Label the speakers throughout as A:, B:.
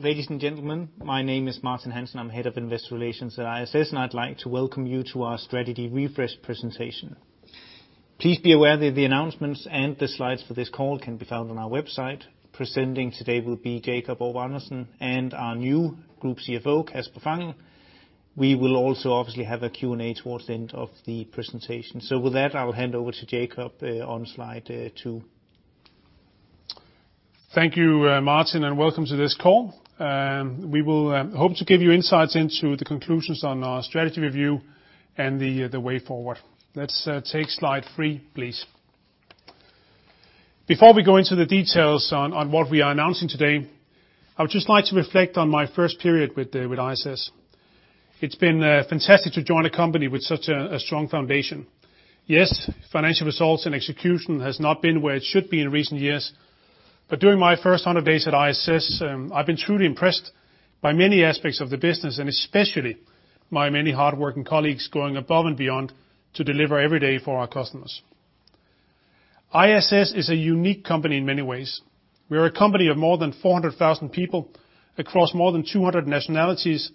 A: Ladies and gentlemen, my name is Martin Hansen. I'm Head of Investor Relations at ISS, and I'd like to welcome you to our strategy refresh presentation. Please be aware that the announcements and the slides for this call can be found on our website. Presenting today will be Jacob Aarup-Andersen and our new Group CFO, Kasper Fangel. We will also, obviously, have a Q&A towards the end of the presentation. So with that, I'll hand over to Jacob on slide two.
B: Thank you, Martin, and welcome to this call. We will hope to give you insights into the conclusions on our strategy review and the way forward. Let's take slide three, please. Before we go into the details on what we are announcing today, I would just like to reflect on my first period with ISS. It's been fantastic to join a company with such a strong foundation. Yes, financial results and execution have not been where it should be in recent years, but during my first 100 days at ISS, I've been truly impressed by many aspects of the business and especially by many hardworking colleagues going above and beyond to deliver every day for our customers. ISS is a unique company in many ways. We are a company of more than 400,000 people across more than 200 nationalities,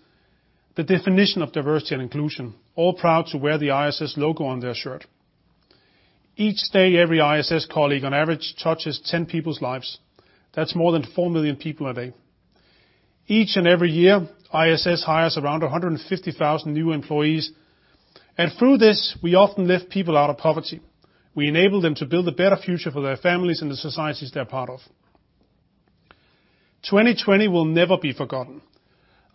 B: the definition of diversity and inclusion, all proud to wear the ISS logo on their shirt. Each day, every ISS colleague, on average, touches 10 people's lives. That's more than four million people a day. Each and every year, ISS hires around 150,000 new employees, and through this, we often lift people out of poverty. We enable them to build a better future for their families and the societies they're part of. 2020 will never be forgotten.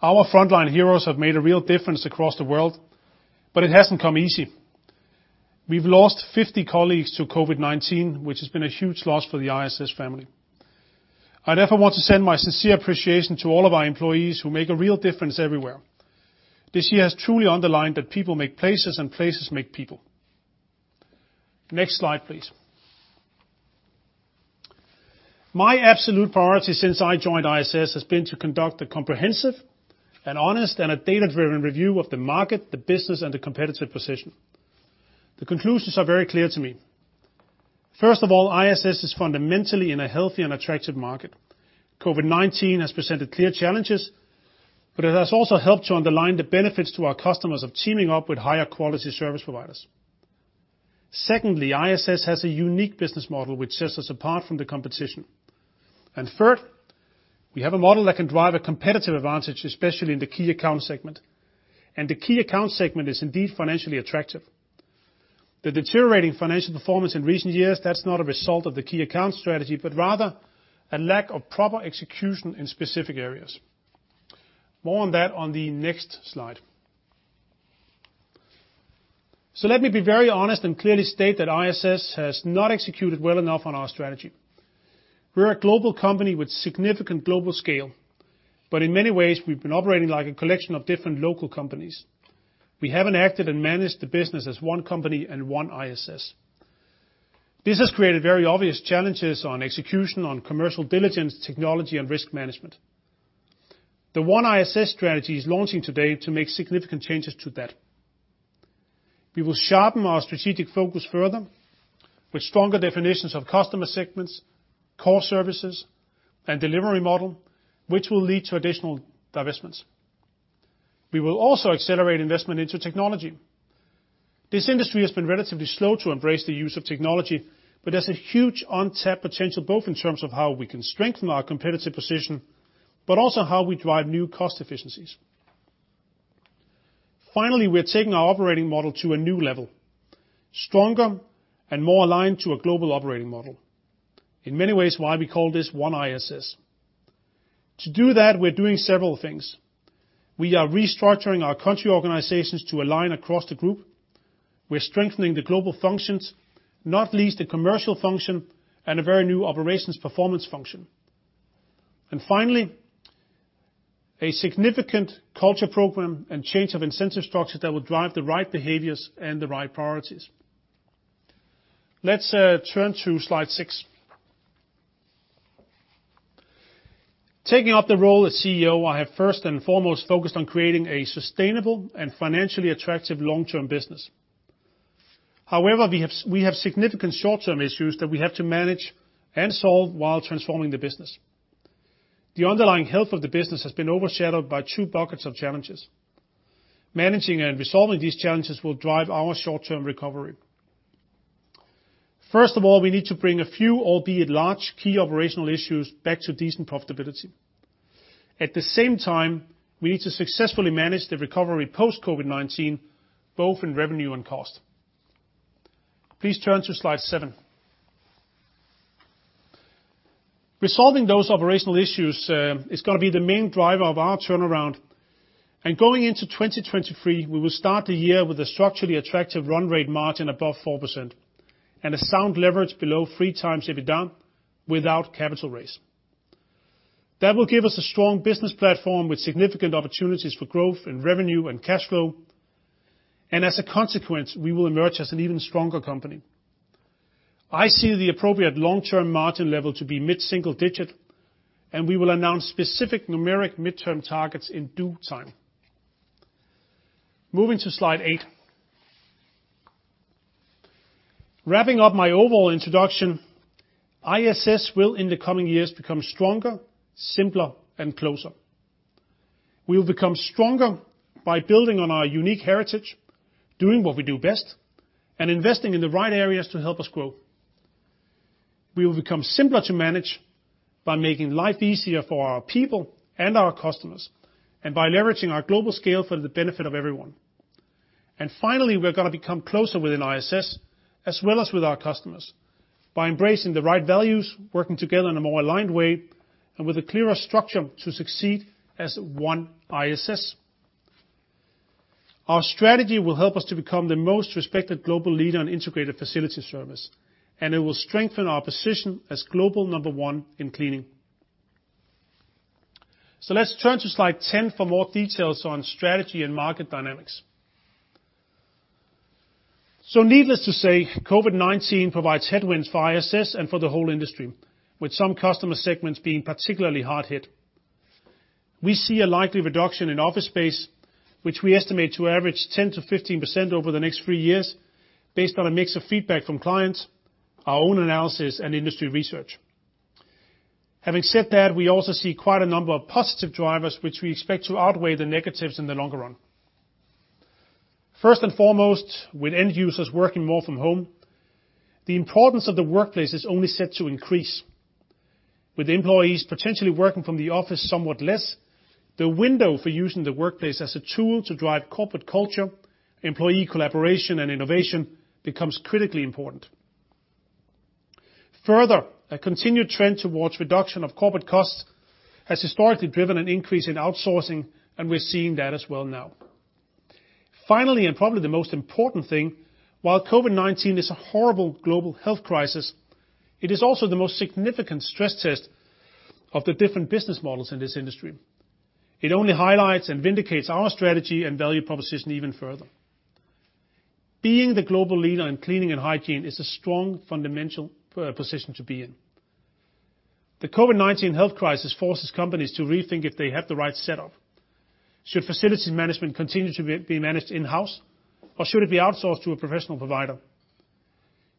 B: Our frontline heroes have made a real difference across the world, but it hasn't come easy. We've lost 50 colleagues to COVID-19, which has been a huge loss for the ISS family. I therefore want to send my sincere appreciation to all of our employees who make a real difference everywhere. This year has truly underlined that people make places, and places make people. Next slide, please. My absolute priority since I joined ISS has been to conduct a comprehensive and honest and a data-driven review of the market, the business, and the competitive position. The conclusions are very clear to me. First of all, ISS is fundamentally in a healthy and attractive market. COVID-19 has presented clear challenges, but it has also helped to underline the benefits to our customers of teaming up with higher quality service providers. Secondly, ISS has a unique business model which sets us apart from the competition. Third, we have a model that can drive a competitive advantage, especially in the key account segment. The key account segment is indeed financially attractive. The deteriorating financial performance in recent years, that's not a result of the key account strategy, but rather a lack of proper execution in specific areas. More on that on the next slide. So let me be very honest and clearly state that ISS has not executed well enough on our strategy. We're a global company with significant global scale, but in many ways, we've been operating like a collection of different local companies. We haven't acted and managed the business as one company and OneISS. This has created very obvious challenges on execution, on commercial diligence, technology, and risk management. The OneISS strategy is launching today to make significant changes to that. We will sharpen our strategic focus further with stronger definitions of customer segments, core services, and delivery model, which will lead to additional divestments. We will also accelerate investment into technology. This industry has been relatively slow to embrace the use of technology, but there's a huge untapped potential both in terms of how we can strengthen our competitive position, but also how we drive new cost efficiencies. Finally, we're taking our operating model to a new level, stronger and more aligned to a global operating model, in many ways why we call this OneISS. To do that, we're doing several things. We are restructuring our country organizations to align across the group. We're strengthening the global functions, not least the commercial function and a very new operations performance function. And finally, a significant culture program and change of incentive structure that will drive the right behaviors and the right priorities. Let's turn to slide six. Taking up the role as CEO, I have first and foremost focused on creating a sustainable and financially attractive long-term business. However, we have significant short-term issues that we have to manage and solve while transforming the business. The underlying health of the business has been overshadowed by two buckets of challenges. Managing and resolving these challenges will drive our short-term recovery. First of all, we need to bring a few, albeit large, key operational issues back to decent profitability. At the same time, we need to successfully manage the recovery post-COVID-19, both in revenue and cost. Please turn to slide seven. Resolving those operational issues is going to be the main driver of our turnaround. And going into 2023, we will start the year with a structurally attractive run rate margin above 4% and a sound leverage below three times EBITDA without capital raise. That will give us a strong business platform with significant opportunities for growth in revenue and cash flow. As a consequence, we will emerge as an even stronger company. I see the appropriate long-term margin level to be mid-single digit, and we will announce specific numeric midterm targets in due time. Moving to slide eight. Wrapping up my overall introduction, ISS will, in the coming years, become stronger, simpler, and closer. We will become stronger by building on our unique heritage, doing what we do best, and investing in the right areas to help us grow. We will become simpler to manage by making life easier for our people and our customers and by leveraging our global scale for the benefit of everyone. Finally, we're going to become closer within ISS as well as with our customers by embracing the right values, working together in a more aligned way, and with a clearer structure to succeed as OneISS. Our strategy will help us to become the most respected global leader in integrated facility service, and it will strengthen our position as global number one in cleaning, so let's turn to slide 10 for more details on strategy and market dynamics, so needless to say, COVID-19 provides headwinds for ISS and for the whole industry, with some customer segments being particularly hard hit. We see a likely reduction in office space, which we estimate to average 10%-15% over the next three years based on a mix of feedback from clients, our own analysis, and industry research. Having said that, we also see quite a number of positive drivers, which we expect to outweigh the negatives in the longer run. First and foremost, with end users working more from home, the importance of the workplace is only set to increase. With employees potentially working from the office somewhat less, the window for using the workplace as a tool to drive corporate culture, employee collaboration, and innovation becomes critically important. Further, a continued trend towards reduction of corporate costs has historically driven an increase in outsourcing, and we're seeing that as well now. Finally, and probably the most important thing, while COVID-19 is a horrible global health crisis, it is also the most significant stress test of the different business models in this industry. It only highlights and vindicates our strategy and value proposition even further. Being the global leader in cleaning and hygiene is a strong fundamental position to be in. The COVID-19 health crisis forces companies to rethink if they have the right setup. Should facility management continue to be managed in-house, or should it be outsourced to a professional provider?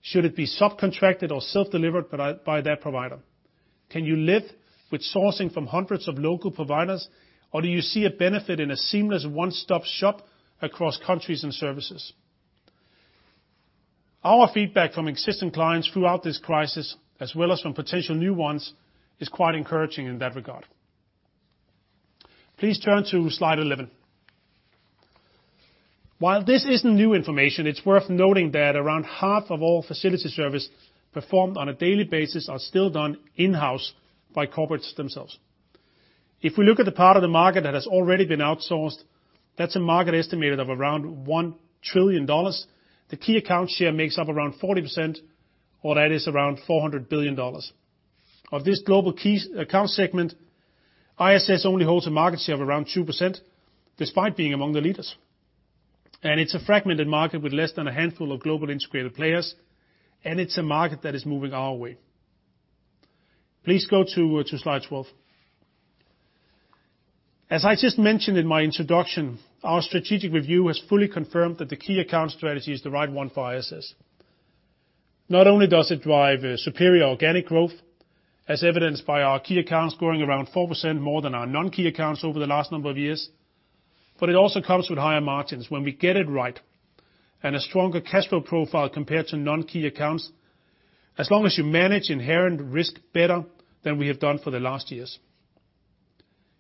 B: Should it be subcontracted or self-delivered by that provider? Can you live with sourcing from hundreds of local providers, or do you see a benefit in a seamless one-stop shop across countries and services? Our feedback from existing clients throughout this crisis, as well as from potential new ones, is quite encouraging in that regard. Please turn to slide 11. While this isn't new information, it's worth noting that around half of all facility service performed on a daily basis are still done in-house by corporates themselves. If we look at the part of the market that has already been outsourced, that's a market estimated of around $1 trillion. The key account share makes up around 40%, or that is around $400 billion. Of this global key account segment, ISS only holds a market share of around 2%, despite being among the leaders. It's a fragmented market with less than a handful of global integrated players, and it's a market that is moving our way. Please go to slide 12. As I just mentioned in my introduction, our strategic review has fully confirmed that the key account strategy is the right one for ISS. Not only does it drive superior organic growth, as evidenced by our key accounts growing around 4% more than our non-key accounts over the last number of years, but it also comes with higher margins when we get it right and a stronger cash flow profile compared to non-key accounts, as long as you manage inherent risk better than we have done for the last years.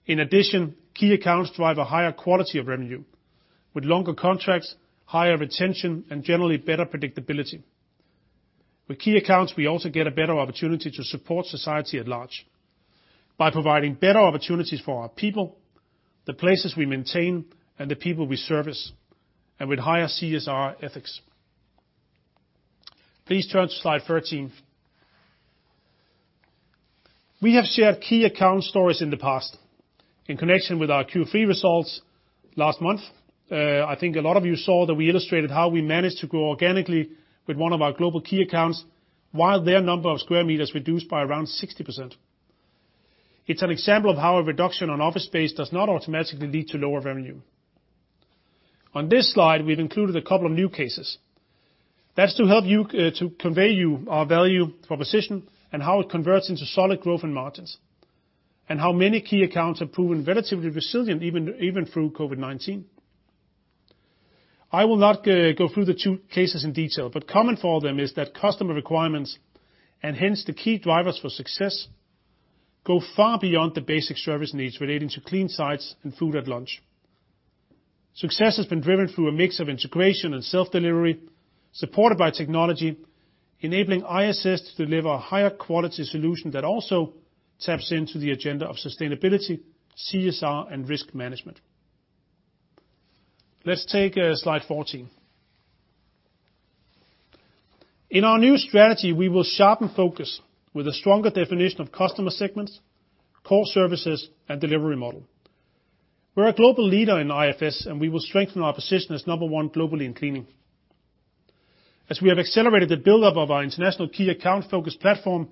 B: In addition, key accounts drive a higher quality of revenue with longer contracts, higher retention, and generally better predictability. With key accounts, we also get a better opportunity to support society at large by providing better opportunities for our people, the places we maintain, and the people we service, and with higher CSR ethics. Please turn to slide 13. We have shared key account stories in the past. In connection with our Q3 results last month, I think a lot of you saw that we illustrated how we managed to grow organically with one of our global key accounts while their number of square meters reduced by around 60%. It's an example of how a reduction on office space does not automatically lead to lower revenue. On this slide, we've included a couple of new cases. That's to convey you our value proposition and how it converts into solid growth and margins and how many key accounts have proven relatively resilient even through COVID-19. I will not go through the two cases in detail, but common for them is that customer requirements and hence the key drivers for success go far beyond the basic service needs relating to clean sites and food at lunch. Success has been driven through a mix of integration and self-delivery supported by technology, enabling ISS to deliver a higher quality solution that also taps into the agenda of sustainability, CSR, and risk management. Let's take slide 14. In our new strategy, we will sharpen focus with a stronger definition of customer segments, core services, and delivery model. We're a global leader in IFS, and we will strengthen our position as number one globally in cleaning. As we have accelerated the buildup of our international key account focus platform,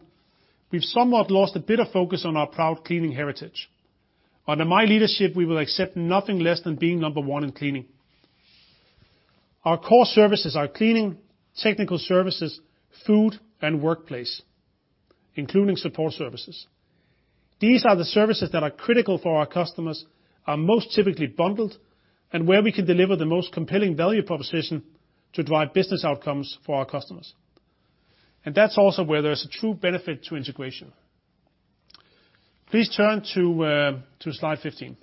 B: we've somewhat lost a bit of focus on our proud cleaning heritage. Under my leadership, we will accept nothing less than being number one in cleaning. Our core services are cleaning, technical services, food, and workplace, including support services. These are the services that are critical for our customers, are most typically bundled, and where we can deliver the most compelling value proposition to drive business outcomes for our customers, and that's also where there is a true benefit to integration. Please turn to slide 15.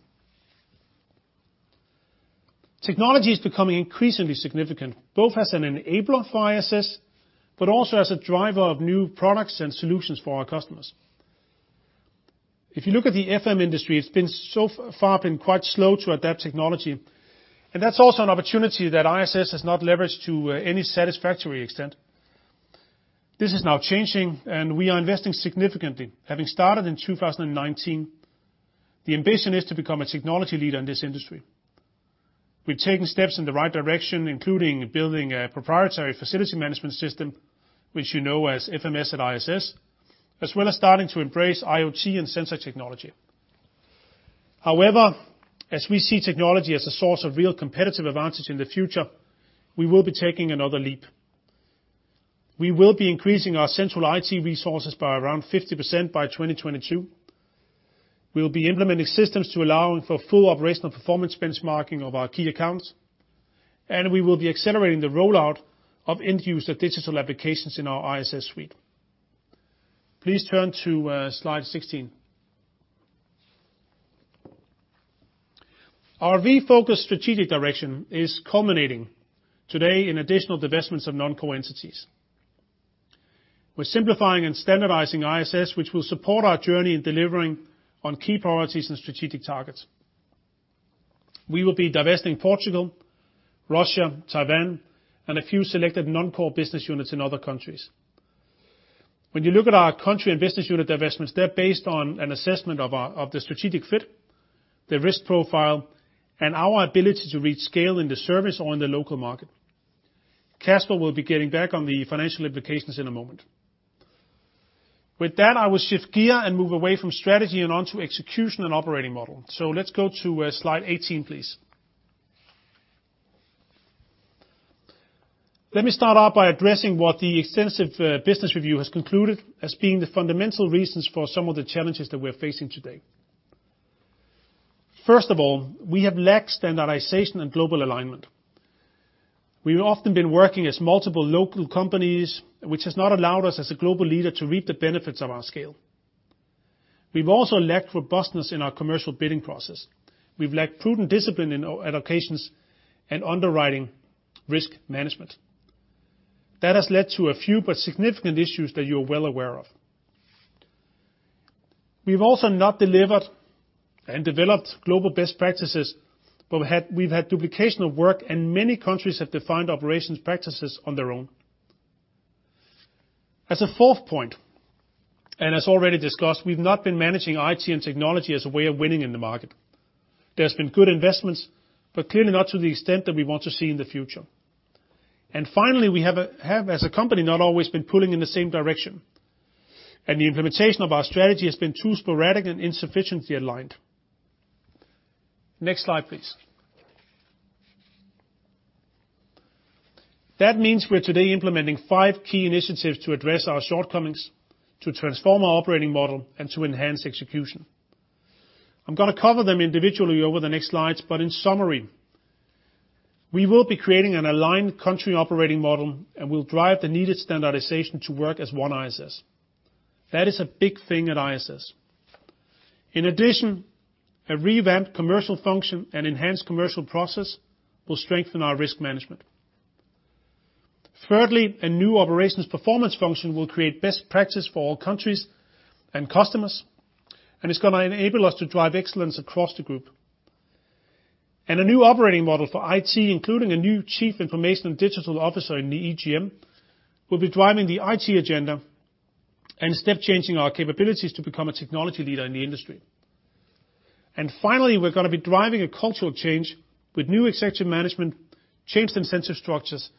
B: Technology is becoming increasingly significant, both as an enabler for ISS, but also as a driver of new products and solutions for our customers. If you look at the FM industry, it's been so far quite slow to adapt technology, and that's also an opportunity that ISS has not leveraged to any satisfactory extent. This is now changing, and we are investing significantly. Having started in 2019, the ambition is to become a technology leader in this industry. We've taken steps in the right direction, including building a proprietary facility management system, which you know as FMS@ISS, as well as starting to embrace IoT and sensor technology. However, as we see technology as a source of real competitive advantage in the future, we will be taking another leap. We will be increasing our central IT resources by around 50% by 2022. We'll be implementing systems to allow for full operational performance benchmarking of our key accounts, and we will be accelerating the rollout of end-user digital applications in our ISS Suite. Please turn to slide 16. Our value-focused strategic direction is culminating today in additional divestments of non-core entities. We're simplifying and standardizing ISS, which will support our journey in delivering on key priorities and strategic targets. We will be divesting Portugal, Russia, Taiwan, and a few selected non-core business units in other countries. When you look at our country and business unit divestments, they're based on an assessment of the strategic fit, the risk profile, and our ability to reach scale in the service or in the local market. Kasper will be getting back on the financial implications in a moment. With that, I will shift gear and move away from strategy and on to execution and operating model. So let's go to slide 18, please. Let me start out by addressing what the extensive business review has concluded as being the fundamental reasons for some of the challenges that we're facing today. First of all, we have lacked standardization and global alignment. We've often been working as multiple local companies, which has not allowed us as a global leader to reap the benefits of our scale. We've also lacked robustness in our commercial bidding process. We've lacked prudent discipline in allocations and underwriting risk management. That has led to a few but significant issues that you are well aware of. We've also not delivered and developed global best practices, but we've had duplication of work, and many countries have defined operations practices on their own. As a fourth point, and as already discussed, we've not been managing IT and technology as a way of winning in the market. There's been good investments, but clearly not to the extent that we want to see in the future. And finally, we have, as a company, not always been pulling in the same direction. And the implementation of our strategy has been too sporadic and insufficiently aligned. Next slide, please. That means we're today implementing five key initiatives to address our shortcomings, to transform our operating model, and to enhance execution. I'm going to cover them individually over the next slides, but in summary, we will be creating an aligned country operating model and will drive the needed standardization to work as OneISS. That is a big thing at ISS. In addition, a revamped commercial function and enhanced commercial process will strengthen our risk management. Thirdly, a new operations performance function will create best practice for all countries and customers, and it's going to enable us to drive excellence across the group. A new operating model for IT, including a new Chief Information and Digital Officer in the EGM, will be driving the IT agenda and step-changing our capabilities to become a technology leader in the industry. Finally, we're going to be driving a cultural change with new executive management, changed incentive structures,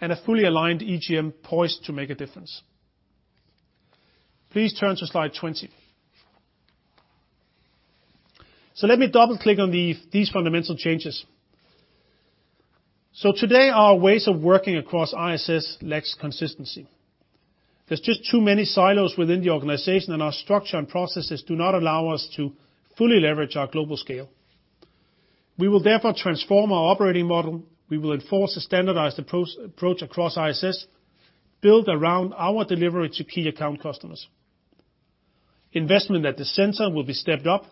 B: and a fully aligned EGM poised to make a difference. Please turn to slide 20. Let me double-click on these fundamental changes. Today, our ways of working across ISS lacks consistency. There's just too many silos within the organization, and our structure and processes do not allow us to fully leverage our global scale. We will therefore transform our operating model. We will enforce a standardized approach across ISS built around our delivery to key account customers. Investment at the center will be stepped up.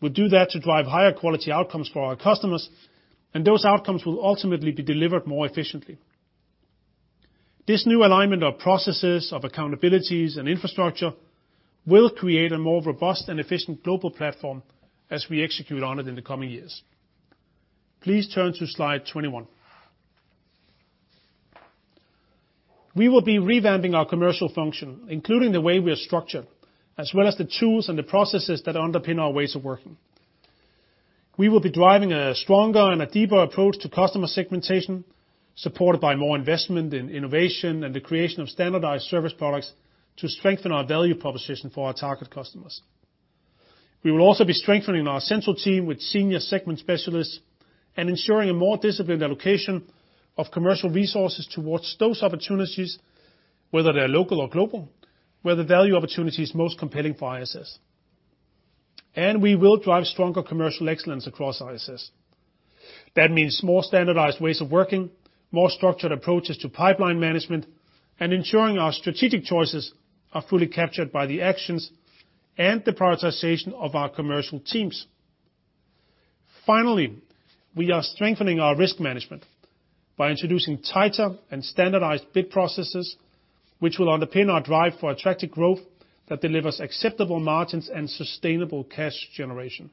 B: We'll do that to drive higher quality outcomes for our customers, and those outcomes will ultimately be delivered more efficiently. This new alignment of processes, of accountabilities, and infrastructure will create a more robust and efficient global platform as we execute on it in the coming years. Please turn to slide 21. We will be revamping our commercial function, including the way we are structured, as well as the tools and the processes that underpin our ways of working. We will be driving a stronger and a deeper approach to customer segmentation, supported by more investment in innovation and the creation of standardized service products to strengthen our value proposition for our target customers. We will also be strengthening our central team with senior segment specialists and ensuring a more disciplined allocation of commercial resources towards those opportunities, whether they're local or global, where the value opportunity is most compelling for ISS. And we will drive stronger commercial excellence across ISS. That means more standardized ways of working, more structured approaches to pipeline management, and ensuring our strategic choices are fully captured by the actions and the prioritization of our commercial teams. Finally, we are strengthening our risk management by introducing tighter and standardized bid processes, which will underpin our drive for attractive growth that delivers acceptable margins and sustainable cash generation.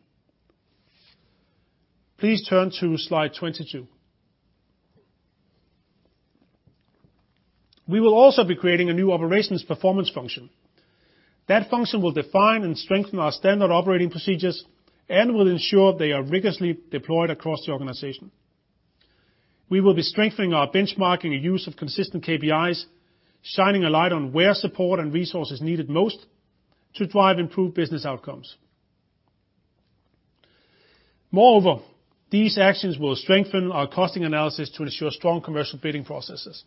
B: Please turn to slide 22. We will also be creating a new operations performance function. That function will define and strengthen our standard operating procedures and will ensure they are rigorously deployed across the organization. We will be strengthening our benchmarking and use of consistent KPIs, shining a light on where support and resources needed most to drive improved business outcomes. Moreover, these actions will strengthen our costing analysis to ensure strong commercial bidding processes.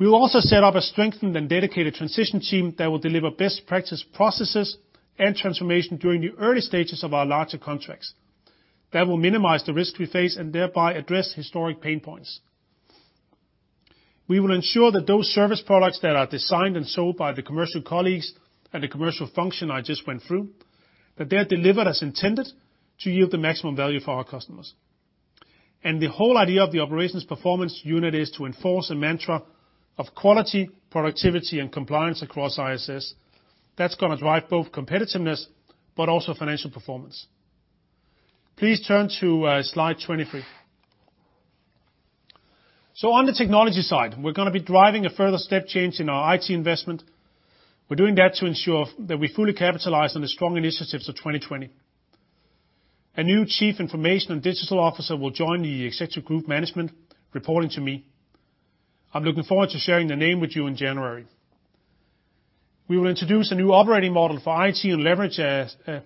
B: We will also set up a strengthened and dedicated transition team that will deliver best practice processes and transformation during the early stages of our larger contracts that will minimize the risks we face and thereby address historic pain points. We will ensure that those service products that are designed and sold by the commercial colleagues and the commercial function I just went through, that they're delivered as intended to yield the maximum value for our customers. And the whole idea of the operations performance unit is to enforce a mantra of quality, productivity, and compliance across ISS. That's going to drive both competitiveness but also financial performance. Please turn to slide 23. On the technology side, we're going to be driving a further step change in our IT investment. We're doing that to ensure that we fully capitalize on the strong initiatives of 2020. A new Chief Information and Digital Officer will join the Executive Group Management, reporting to me. I'm looking forward to sharing the name with you in January. We will introduce a new operating model for IT and leverage, and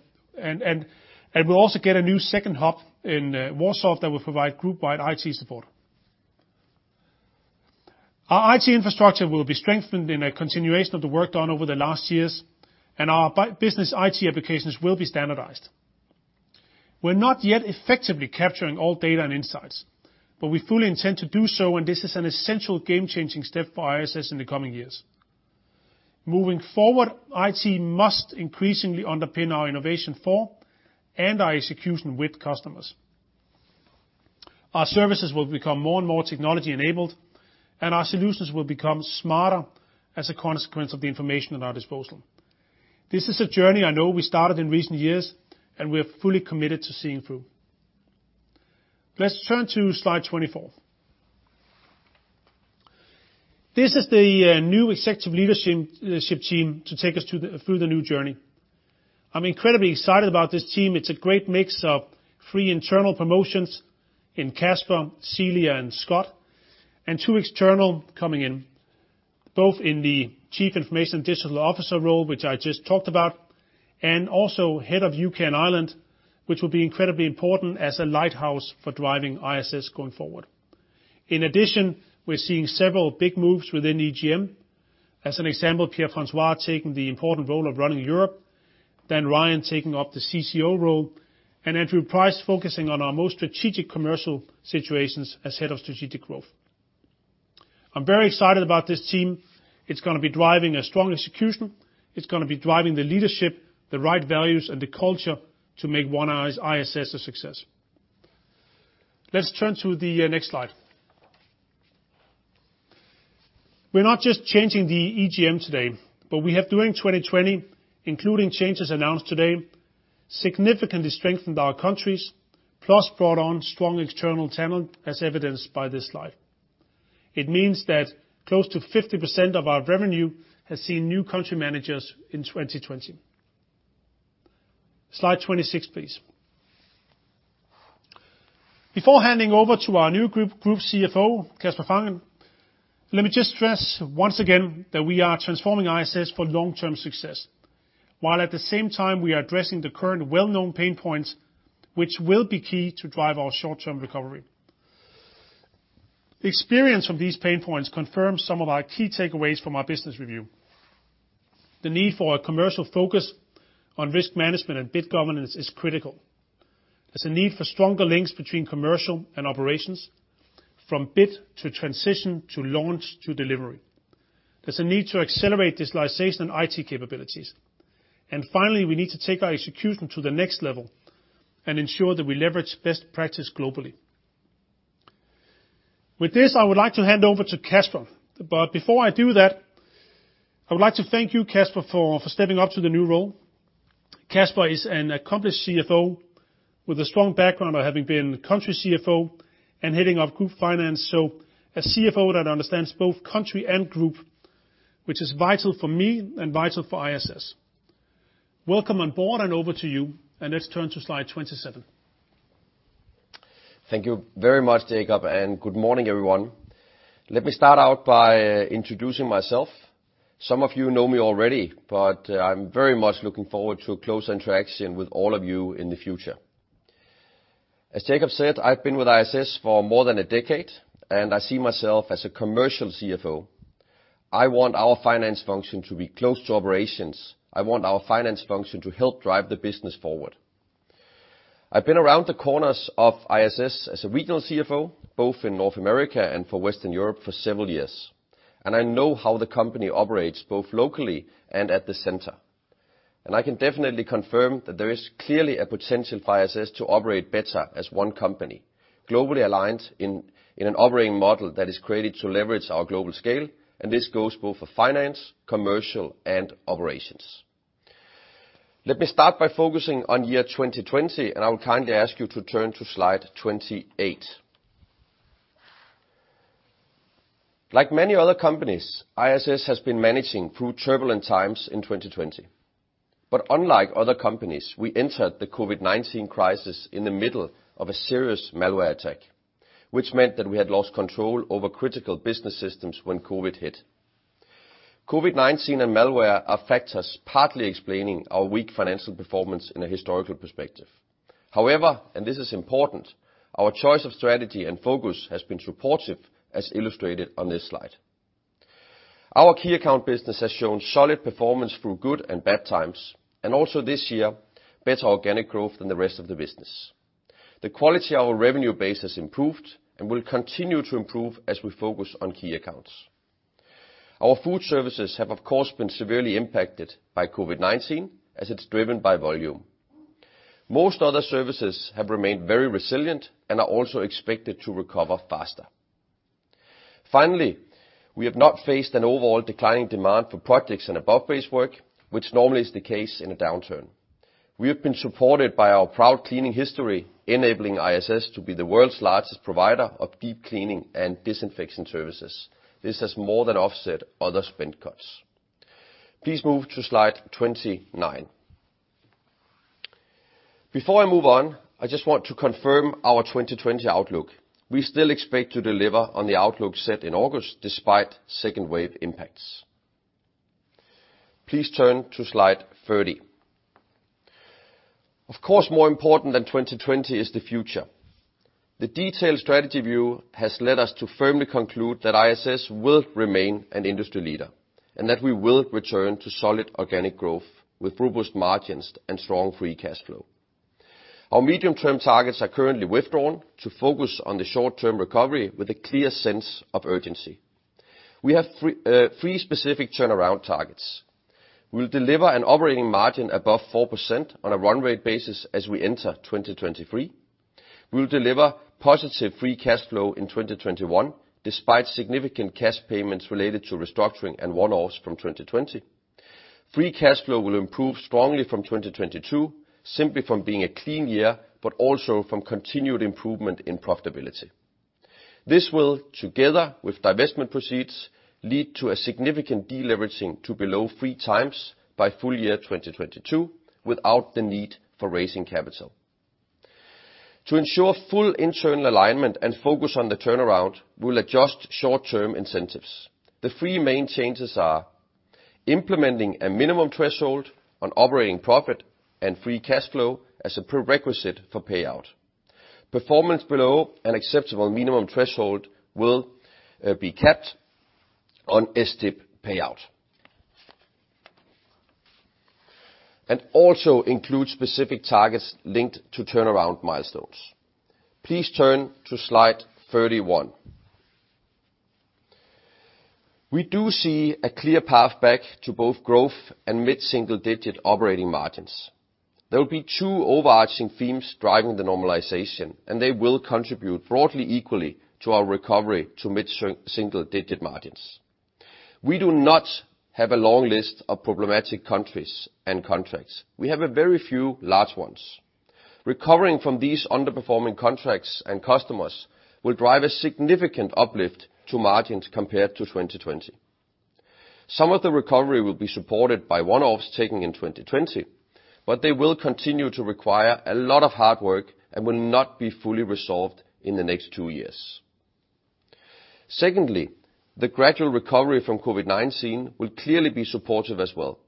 B: we'll also get a new second hub in Warsaw that will provide group-wide IT support. Our IT infrastructure will be strengthened in a continuation of the work done over the last years, and our business IT applications will be standardized. We're not yet effectively capturing all data and insights, but we fully intend to do so, and this is an essential game-changing step for ISS in the coming years. Moving forward, IT must increasingly underpin our innovation and our execution with customers. Our services will become more and more technology-enabled, and our solutions will become smarter as a consequence of the information at our disposal. This is a journey I know we started in recent years, and we are fully committed to seeing through. Let's turn to slide 24. This is the new executive leadership team to take us through the new journey. I'm incredibly excited about this team. It's a great mix of three internal promotions in Kasper, Celia, and Scott, and two external coming in, both in the chief information and digital officer role, which I just talked about, and also Head of UK and Ireland, which will be incredibly important as a lighthouse for driving ISS going forward. In addition, we're seeing several big moves within EGM. As an example, Pierre-François taking the important role of running Europe, Dan Ryan taking up the CCO role, and Andrew Price focusing on our most strategic commercial situations as Head of Strategic Growth. I'm very excited about this team. It's going to be driving a strong execution. It's going to be driving the leadership, the right values, and the culture to make OneISS a success. Let's turn to the next slide. We're not just changing the EGM today, but we have during 2020, including changes announced today, significantly strengthened our countries, plus brought on strong external talent as evidenced by this slide. It means that close to 50% of our revenue has seen new country managers in 2020. Slide 26, please. Before handing over to our new Group CFO, Kasper Fangel, let me just stress once again that we are transforming ISS for long-term success, while at the same time, we are addressing the current well-known pain points, which will be key to drive our short-term recovery. Experience from these pain points confirms some of our key takeaways from our business review. The need for a commercial focus on risk management and bid governance is critical. There's a need for stronger links between commercial and operations, from bid to transition to launch to delivery. There's a need to accelerate digitalization and IT capabilities. And finally, we need to take our execution to the next level and ensure that we leverage best practice globally. With this, I would like to hand over to Kasper. But before I do that, I would like to thank you, Kasper, for stepping up to the new role. Kasper is an accomplished CFO with a strong background of having been country CFO and heading of group finance, so a CFO that understands both country and group, which is vital for me and vital for ISS. Welcome on board and over to you, and let's turn to slide 27.
C: Thank you very much, Jacob, and good morning, everyone. Let me start out by introducing myself. Some of you know me already, but I'm very much looking forward to a closer interaction with all of you in the future. As Jacob said, I've been with ISS for more than a decade, and I see myself as a commercial CFO. I want our finance function to be close to operations. I want our finance function to help drive the business forward. I've been around the corners of ISS as a regional CFO, both in North America and for Western Europe for several years, and I know how the company operates both locally and at the center, and I can definitely confirm that there is clearly a potential for ISS to operate better as one company, globally aligned in an operating model that is created to leverage our global scale, and this goes both for finance, commercial, and operations. Let me start by focusing on year 2020, and I will kindly ask you to turn to slide 28. Like many other companies, ISS has been managing through turbulent times in 2020, but unlike other companies, we entered the COVID-19 crisis in the middle of a serious malware attack, which meant that we had lost control over critical business systems when COVID hit. COVID-19 and macro are factors partly explaining our weak financial performance in a historical perspective. However, and this is important, our choice of strategy and focus has been supportive, as illustrated on this slide. Our key account business has shown solid performance through good and bad times, and also this year, better organic growth than the rest of the business. The quality of our revenue base has improved and will continue to improve as we focus on key accounts. Our food services have, of course, been severely impacted by COVID-19 as it's driven by volume. Most other services have remained very resilient and are also expected to recover faster. Finally, we have not faced an overall declining demand for projects and above-base work, which normally is the case in a downturn. We have been supported by our proud cleaning history, enabling ISS to be the world's largest provider of deep cleaning and disinfection services. This has more than offset other spend cuts. Please move to slide 29. Before I move on, I just want to confirm our 2020 outlook. We still expect to deliver on the outlook set in August despite second wave impacts. Please turn to slide 30. Of course, more important than 2020 is the future. The detailed strategy view has led us to firmly conclude that ISS will remain an industry leader and that we will return to solid organic growth with robust margins and strong free cash flow. Our medium-term targets are currently withdrawn to focus on the short-term recovery with a clear sense of urgency. We have three specific turnaround targets. We will deliver an operating margin above 4% on a run rate basis as we enter 2023. We will deliver positive free cash flow in 2021 despite significant cash payments related to restructuring and one-offs from 2020. Free cash flow will improve strongly from 2022, simply from being a clean year, but also from continued improvement in profitability. This will, together with divestment proceeds, lead to a significant deleveraging to below three times by full year 2022 without the need for raising capital. To ensure full internal alignment and focus on the turnaround, we'll adjust short-term incentives. The three main changes are implementing a minimum threshold on operating profit and free cash flow as a prerequisite for payout. Performance below an acceptable minimum threshold will be capped on STIP payout and also include specific targets linked to turnaround milestones. Please turn to slide 31. We do see a clear path back to both growth and mid-single-digit operating margins. There will be two overarching themes driving the normalization, and they will contribute broadly equally to our recovery to mid-single-digit margins. We do not have a long list of problematic countries and contracts. We have very few large ones. Recovering from these underperforming contracts and customers will drive a significant uplift to margins compared to 2020. Some of the recovery will be supported by one-offs taken in 2020, but they will continue to require a lot of hard work and will not be fully resolved in the next two years. Secondly, the gradual recovery from COVID-19 will clearly be supportive as well.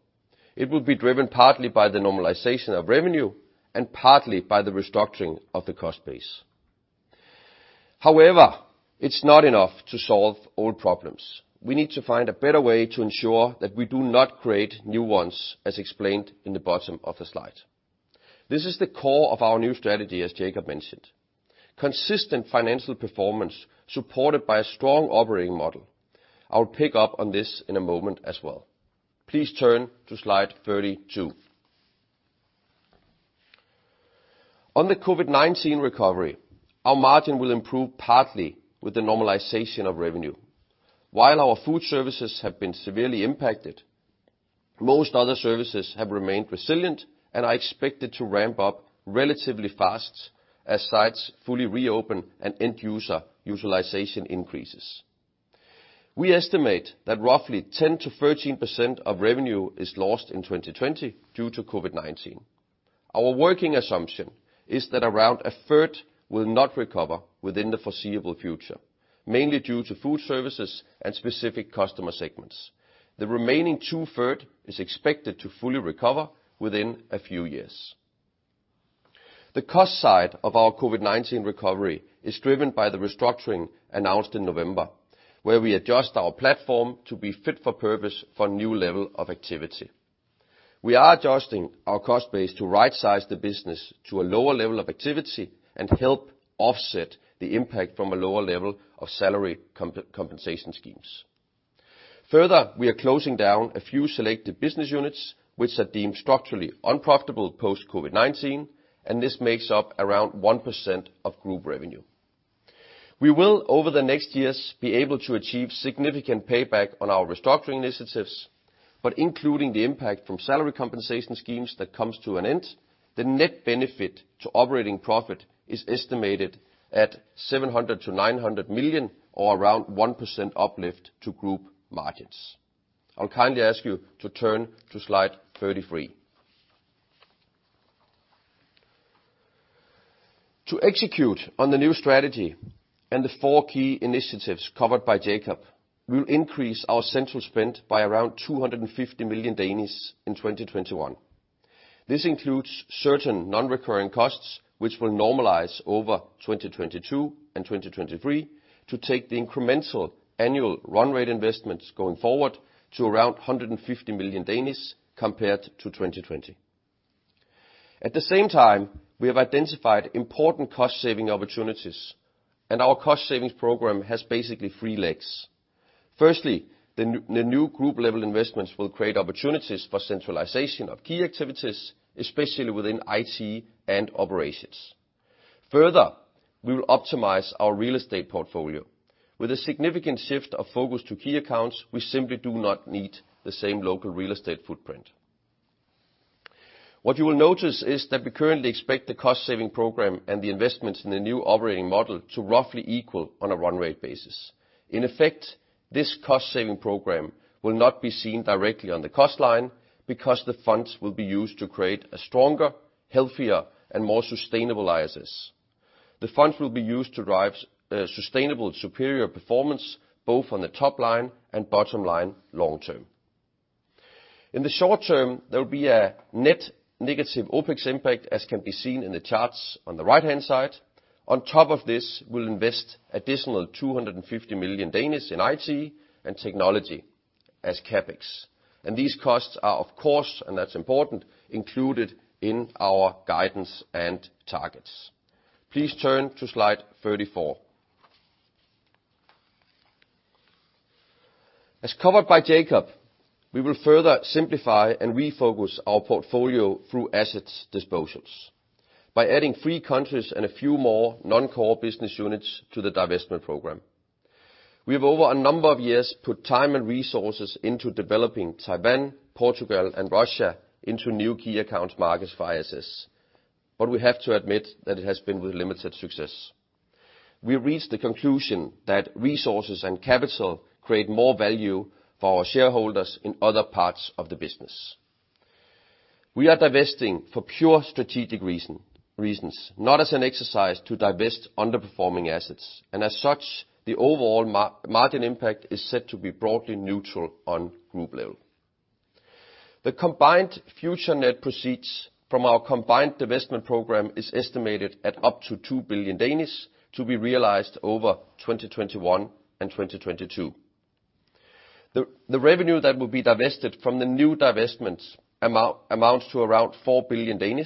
C: It will be driven partly by the normalization of revenue and partly by the restructuring of the cost base. However, it's not enough to solve all problems. We need to find a better way to ensure that we do not create new ones, as explained in the bottom of the slide. This is the core of our new strategy, as Jacob mentioned. Consistent financial performance supported by a strong operating model. I will pick up on this in a moment as well. Please turn to slide 32. On the COVID-19 recovery, our margin will improve partly with the normalization of revenue. While our food services have been severely impacted, most other services have remained resilient and are expected to ramp up relatively fast as sites fully reopen and end-user utilization increases. We estimate that roughly 10%-13% of revenue is lost in 2020 due to COVID-19. Our working assumption is that around a third will not recover within the foreseeable future, mainly due to food services and specific customer segments. The remaining two-thirds is expected to fully recover within a few years. The cost side of our COVID-19 recovery is driven by the restructuring announced in November, where we adjust our platform to be fit for purpose for a new level of activity. We are adjusting our cost base to right-size the business to a lower level of activity and help offset the impact from a lower level of salary compensation schemes. Further, we are closing down a few selected business units, which are deemed structurally unprofitable post-COVID-19, and this makes up around 1% of group revenue. We will, over the next years, be able to achieve significant payback on our restructuring initiatives, but including the impact from salary compensation schemes that comes to an end, the net benefit to operating profit is estimated at 700 million-900 million or around 1% uplift to group margins. I'll kindly ask you to turn to slide 33. To execute on the new strategy and the four key initiatives covered by Jacob, we will increase our central spend by around 250 million in 2021. This includes certain non-recurring costs, which will normalize over 2022 and 2023 to take the incremental annual run rate investments going forward to around 150 million compared to 2020. At the same time, we have identified important cost-saving opportunities, and our cost-savings program has basically three legs. Firstly, the new group-level investments will create opportunities for centralization of key activities, especially within IT and operations. Further, we will optimize our real estate portfolio. With a significant shift of focus to key accounts, we simply do not need the same local real estate footprint. What you will notice is that we currently expect the cost-saving program and the investments in the new operating model to roughly equal on a run rate basis. In effect, this cost-saving program will not be seen directly on the cost line because the funds will be used to create a stronger, healthier, and more sustainable ISS. The funds will be used to drive sustainable superior performance both on the top line and bottom line long-term. In the short term, there will be a net negative OpEx impact, as can be seen in the charts on the right-hand side. On top of this, we'll invest additional 250 million in IT and technology as CapEx, and these costs are, of course, and that's important, included in our guidance and targets. Please turn to slide 34. As covered by Jacob, we will further simplify and refocus our portfolio through assets disposals by adding three countries and a few more non-core business units to the divestment program. We have, over a number of years, put time and resources into developing Taiwan, Portugal, and Russia into new key accounts markets for ISS, but we have to admit that it has been with limited success. We reached the conclusion that resources and capital create more value for our shareholders in other parts of the business. We are divesting for pure strategic reasons, not as an exercise to divest underperforming assets, and as such, the overall margin impact is set to be broadly neutral on group level. The combined future net proceeds from our combined divestment program is estimated at up to 2 billion to be realized over 2021 and 2022. The revenue that will be divested from the new divestments amounts to around 4 billion.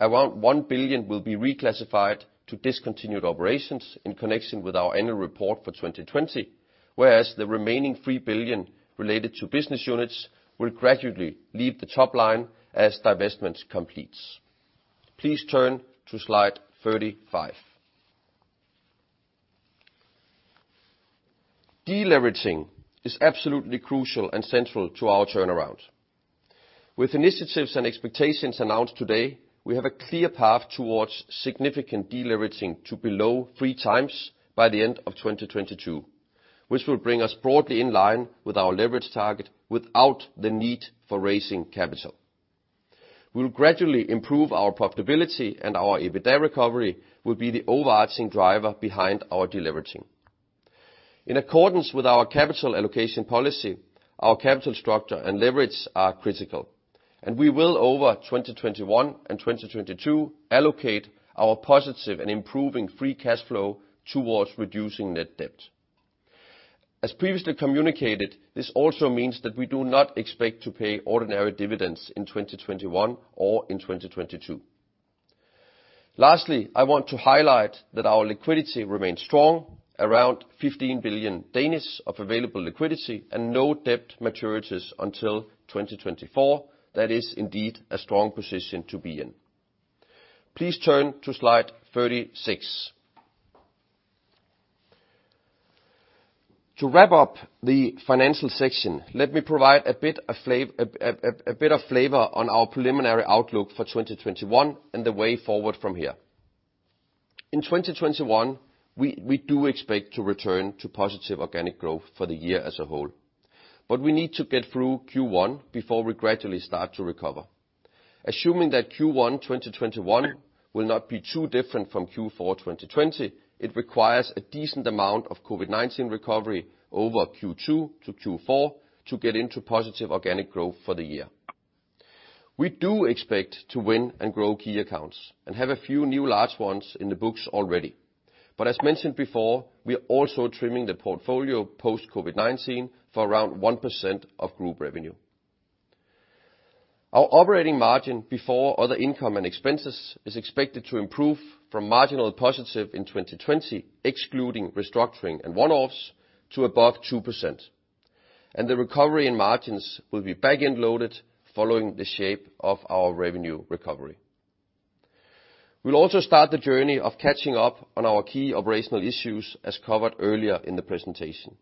C: Around 1 billion will be reclassified to discontinued operations in connection with our annual report for 2020, whereas the remaining 3 billion related to business units will gradually leave the top line as divestment completes. Please turn to slide 35. Deleveraging is absolutely crucial and central to our turnaround. With initiatives and expectations announced today, we have a clear path towards significant deleveraging to below three times by the end of 2022, which will bring us broadly in line with our leverage target without the need for raising capital. We will gradually improve our profitability, and our EBITDA recovery will be the overarching driver behind our deleveraging. In accordance with our capital allocation policy, our capital structure and leverage are critical, and we will, over 2021 and 2022, allocate our positive and improving free cash flow towards reducing net debt. As previously communicated, this also means that we do not expect to pay ordinary dividends in 2021 or in 2022. Lastly, I want to highlight that our liquidity remains strong, around 15 billion of available liquidity and no debt maturities until 2024. That is indeed a strong position to be in. Please turn to slide 36. To wrap up the financial section, let me provide a bit of flavor on our preliminary outlook for 2021 and the way forward from here. In 2021, we do expect to return to positive organic growth for the year as a whole, but we need to get through Q1 before we gradually start to recover. Assuming that Q1 2021 will not be too different from Q4 2020, it requires a decent amount of COVID-19 recovery over Q2-Q4 to get into positive organic growth for the year. We do expect to win and grow key accounts and have a few new large ones in the books already. But as mentioned before, we are also trimming the portfolio post-COVID-19 for around 1% of group revenue. Our operating margin before other income and expenses is expected to improve from marginal positive in 2020, excluding restructuring and one-offs, to above 2%. And the recovery in margins will be back-end loaded following the shape of our revenue recovery. We'll also start the journey of catching up on our key operational issues, as covered earlier in the presentation.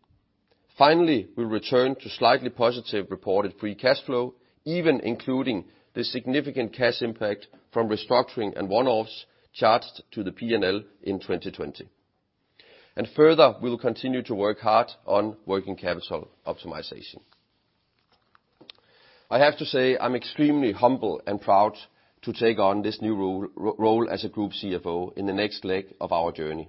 C: Finally, we'll return to slightly positive reported free cash flow, even including the significant cash impact from restructuring and one-offs charged to the P&L in 2020. And further, we will continue to work hard on working capital optimization. I have to say I'm extremely humble and proud to take on this new role as a group CFO in the next leg of our journey.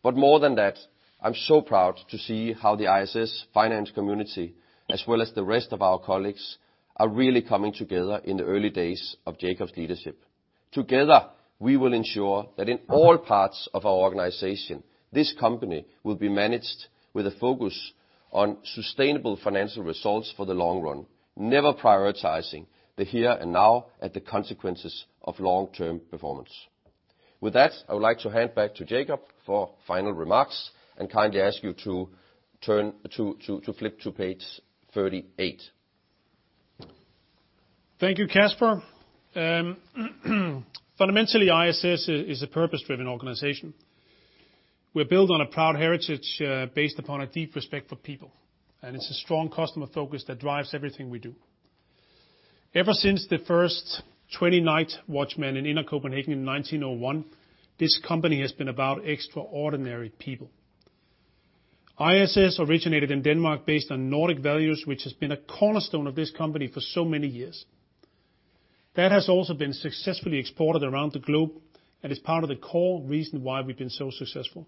C: But more than that, I'm so proud to see how the ISS finance community, as well as the rest of our colleagues, are really coming together in the early days of Jacob's leadership. Together, we will ensure that in all parts of our organization, this company will be managed with a focus on sustainable financial results for the long run, never prioritizing the here and now and the consequences of long-term performance. With that, I would like to hand back to Jacob for final remarks and kindly ask you to flip to page 38.
B: Thank you, Kasper. Fundamentally, ISS is a purpose-driven organization. We're built on a proud heritage based upon a deep respect for people, and it's a strong customer focus that drives everything we do. Ever since the first 20 night watchmen in Inner Copenhagen in 1901, this company has been about extraordinary people. ISS originated in Denmark based on Nordic values, which has been a cornerstone of this company for so many years. That has also been successfully exported around the globe and is part of the core reason why we've been so successful.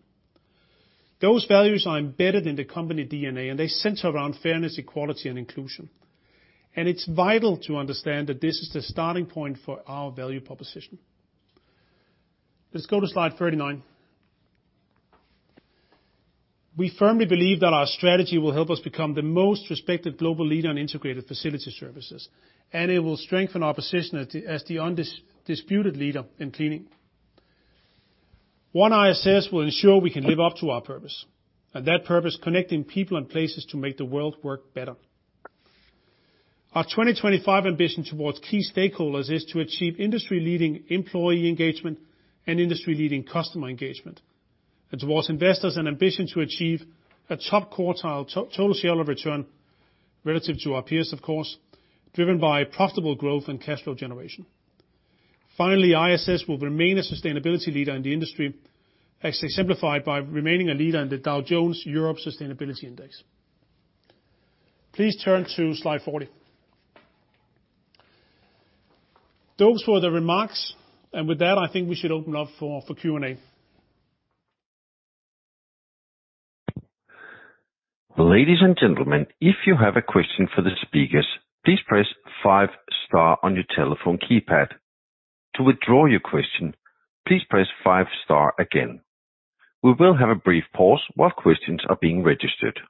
B: Those values are embedded in the company DNA, and they center around fairness, equality, and inclusion, and it's vital to understand that this is the starting point for our value proposition. Let's go to slide 39. We firmly believe that our strategy will help us become the most respected global leader in integrated facility services, and it will strengthen our position as the undisputed leader in cleaning. OneISS will ensure we can live up to our purpose, and that purpose is connecting people and places to make the world work better. Our 2025 ambition towards key stakeholders is to achieve industry-leading employee engagement and industry-leading customer engagement, and towards investors an ambition to achieve a top quartile total share of return relative to our peers, of course, driven by profitable growth and cash flow generation. Finally, ISS will remain a sustainability leader in the industry, as exemplified by remaining a leader in the Dow Jones Europe Sustainability Index. Please turn to slide 40. Those were the remarks, and with that, I think we should open up for Q&A.
A: Ladies and gentlemen, if you have a question for the speakers, please press five star on your telephone keypad. To withdraw your question, please press five star again. We will have a brief pause while questions are being registered.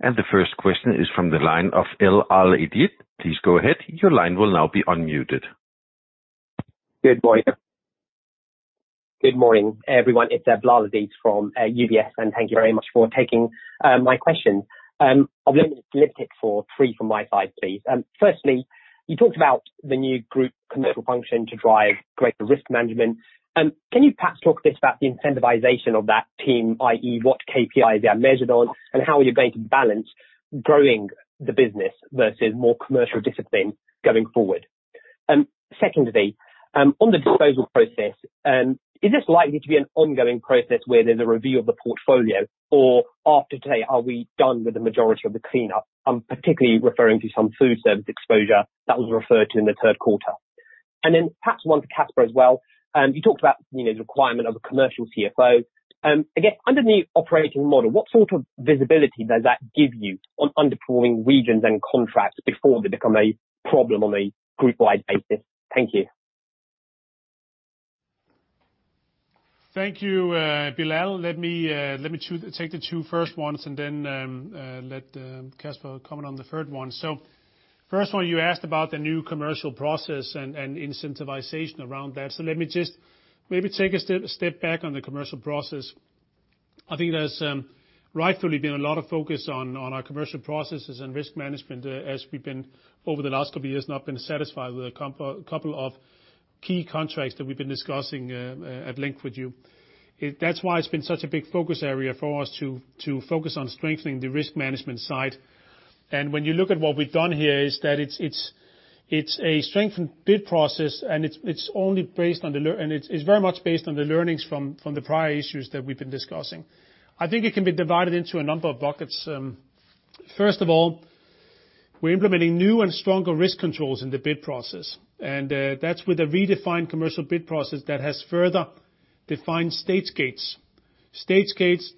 A: The first question is from the line of Bilal Aziz. Please go ahead. Your line will now be unmuted. Good morning.
D: Good morning, everyone. It's Bilal Aziz from UBS, and thank you very much for taking my question. I'll limit it for three from my side, please. Firstly, you talked about the new group commercial function to drive greater risk management. Can you perhaps talk a bit about the incentivization of that team, i.e., what KPIs they are measured on, and how are you going to balance growing the business versus more commercial discipline going forward? Secondly, on the disposal process, is this likely to be an ongoing process where there's a review of the portfolio, or after today, are we done with the majority of the cleanup? I'm particularly referring to some food service exposure that was referred to in the third quarter. And then perhaps one for Kasper as well. You talked about the requirement of a commercial CFO. Again, under the operating model, what sort of visibility does that give you on underperforming regions and contracts before they become a problem on a group-wide basis? Thank you.
B: Thank you, Bilal. Let me take the two first ones and then let Kasper comment on the third one. So first one, you asked about the new commercial process and incentivization around that. So let me just maybe take a step back on the commercial process. I think there's rightfully been a lot of focus on our commercial processes and risk management as we've been, over the last couple of years, not been satisfied with a couple of key contracts that we've been discussing at length with you. That's why it's been such a big focus area for us to focus on strengthening the risk management side, and when you look at what we've done here, it's a strengthened bid process, and it's very much based on the learnings from the prior issues that we've been discussing. I think it can be divided into a number of buckets. First of all, we're implementing new and stronger risk controls in the bid process. That's with a redefined commercial bid process that has further defined stage gates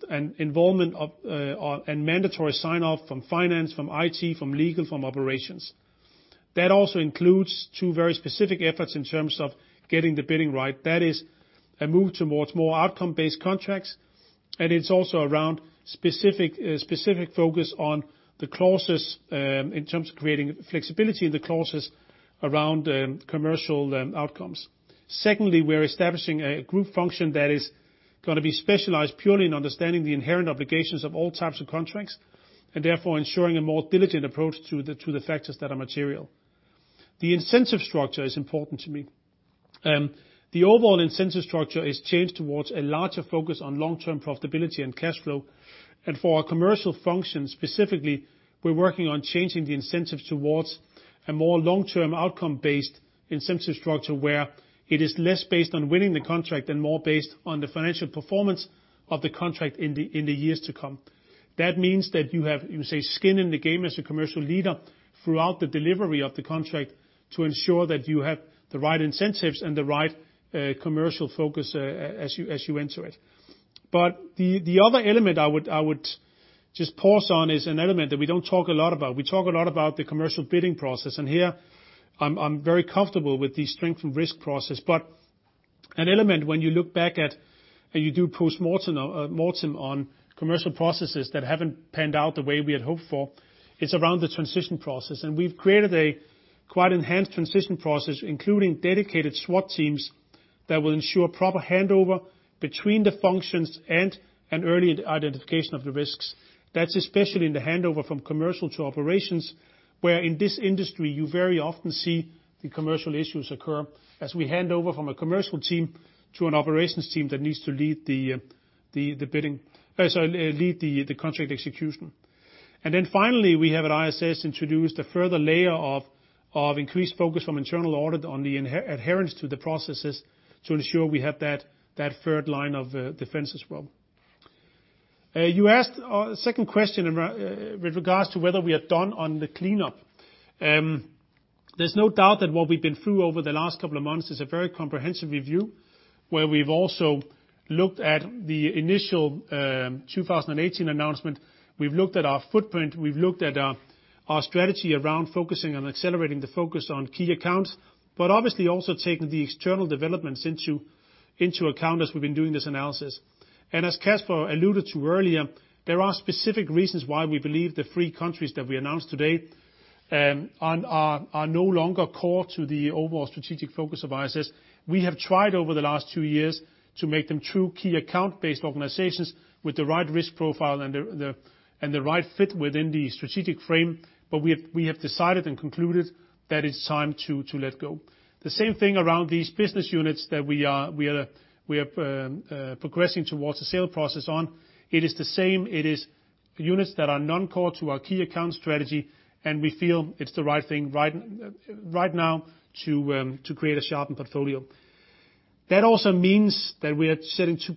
B: and involvement and mandatory sign-off from finance, from IT, from legal, from operations. That also includes two very specific efforts in terms of getting the bidding right. That is a move towards more outcome-based contracts, and it's also around specific focus on the clauses in terms of creating flexibility in the clauses around commercial outcomes. Secondly, we're establishing a group function that is going to be specialized purely in understanding the inherent obligations of all types of contracts and therefore ensuring a more diligent approach to the factors that are material. The incentive structure is important to me. The overall incentive structure is changed towards a larger focus on long-term profitability and cash flow. For our commercial function specifically, we're working on changing the incentives towards a more long-term outcome-based incentive structure where it is less based on winning the contract and more based on the financial performance of the contract in the years to come. That means that you have skin in the game as a commercial leader throughout the delivery of the contract to ensure that you have the right incentives and the right commercial focus as you enter it. The other element I would just pause on is an element that we don't talk a lot about. We talk a lot about the commercial bidding process, and here I'm very comfortable with the strengthened risk process. An element when you look back at and you do post-mortem on commercial processes that haven't panned out the way we had hoped for, it's around the transition process. We've created a quite enhanced transition process, including dedicated SWAT teams that will ensure proper handover between the functions and an early identification of the risks. That's especially in the handover from commercial to operations, where in this industry, you very often see the commercial issues occur as we hand over from a commercial team to an operations team that needs to lead the bidding sorry, lead the contract execution. And then finally, we have at ISS introduced a further layer of increased focus from internal audit on the adherence to the processes to ensure we have that third line of defenses as well. You asked a second question with regards to whether we are done on the cleanup. There's no doubt that what we've been through over the last couple of months is a very comprehensive review where we've also looked at the initial 2018 announcement. We've looked at our footprint. We've looked at our strategy around focusing on accelerating the focus on key accounts, but obviously also taking the external developments into account as we've been doing this analysis, and as Kasper alluded to earlier, there are specific reasons why we believe the three countries that we announced today are no longer core to the overall strategic focus of ISS. We have tried over the last two years to make them true key account-based organizations with the right risk profile and the right fit within the strategic frame, but we have decided and concluded that it's time to let go. The same thing around these business units that we are progressing towards the sale process on. It is the same. It is units that are non-core to our key account strategy, and we feel it's the right thing right now to create a sharpened portfolio. That also means that we are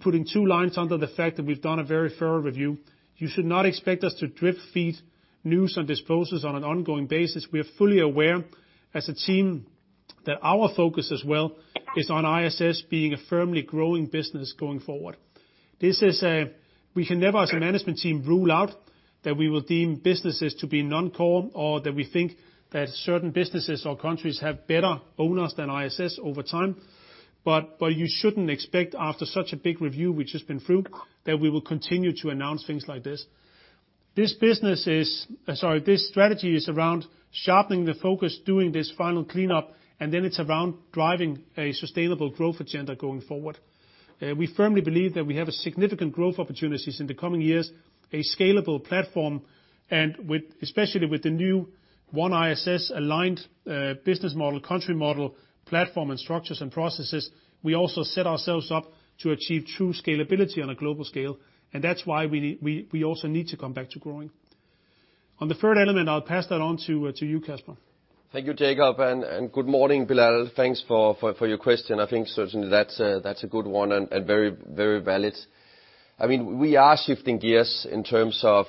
B: putting two lines under the fact that we've done a very thorough review. You should not expect us to drip feed news on disposals on an ongoing basis. We are fully aware as a team that our focus as well is OneISS being a firmly growing business going forward. We can never, as a management team, rule out that we will deem businesses to be non-core or that we think that certain businesses or countries have better owners than ISS over time. But you shouldn't expect, after such a big review we've just been through, that we will continue to announce things like this. This strategy is around sharpening the focus, doing this final cleanup, and then it's around driving a sustainable growth agenda going forward. We firmly believe that we have significant growth opportunities in the coming years, a scalable platform, and especially with the new One ISS aligned business model, country model, platform, and structures and processes, we also set ourselves up to achieve true scalability on a global scale, and that's why we also need to come back to growing. On the third element, I'll pass that on to you, Kasper.
C: Thank you, Jacob, and good morning, Bilal. Thanks for your question. I think certainly that's a good one and very valid. I mean, we are shifting gears in terms of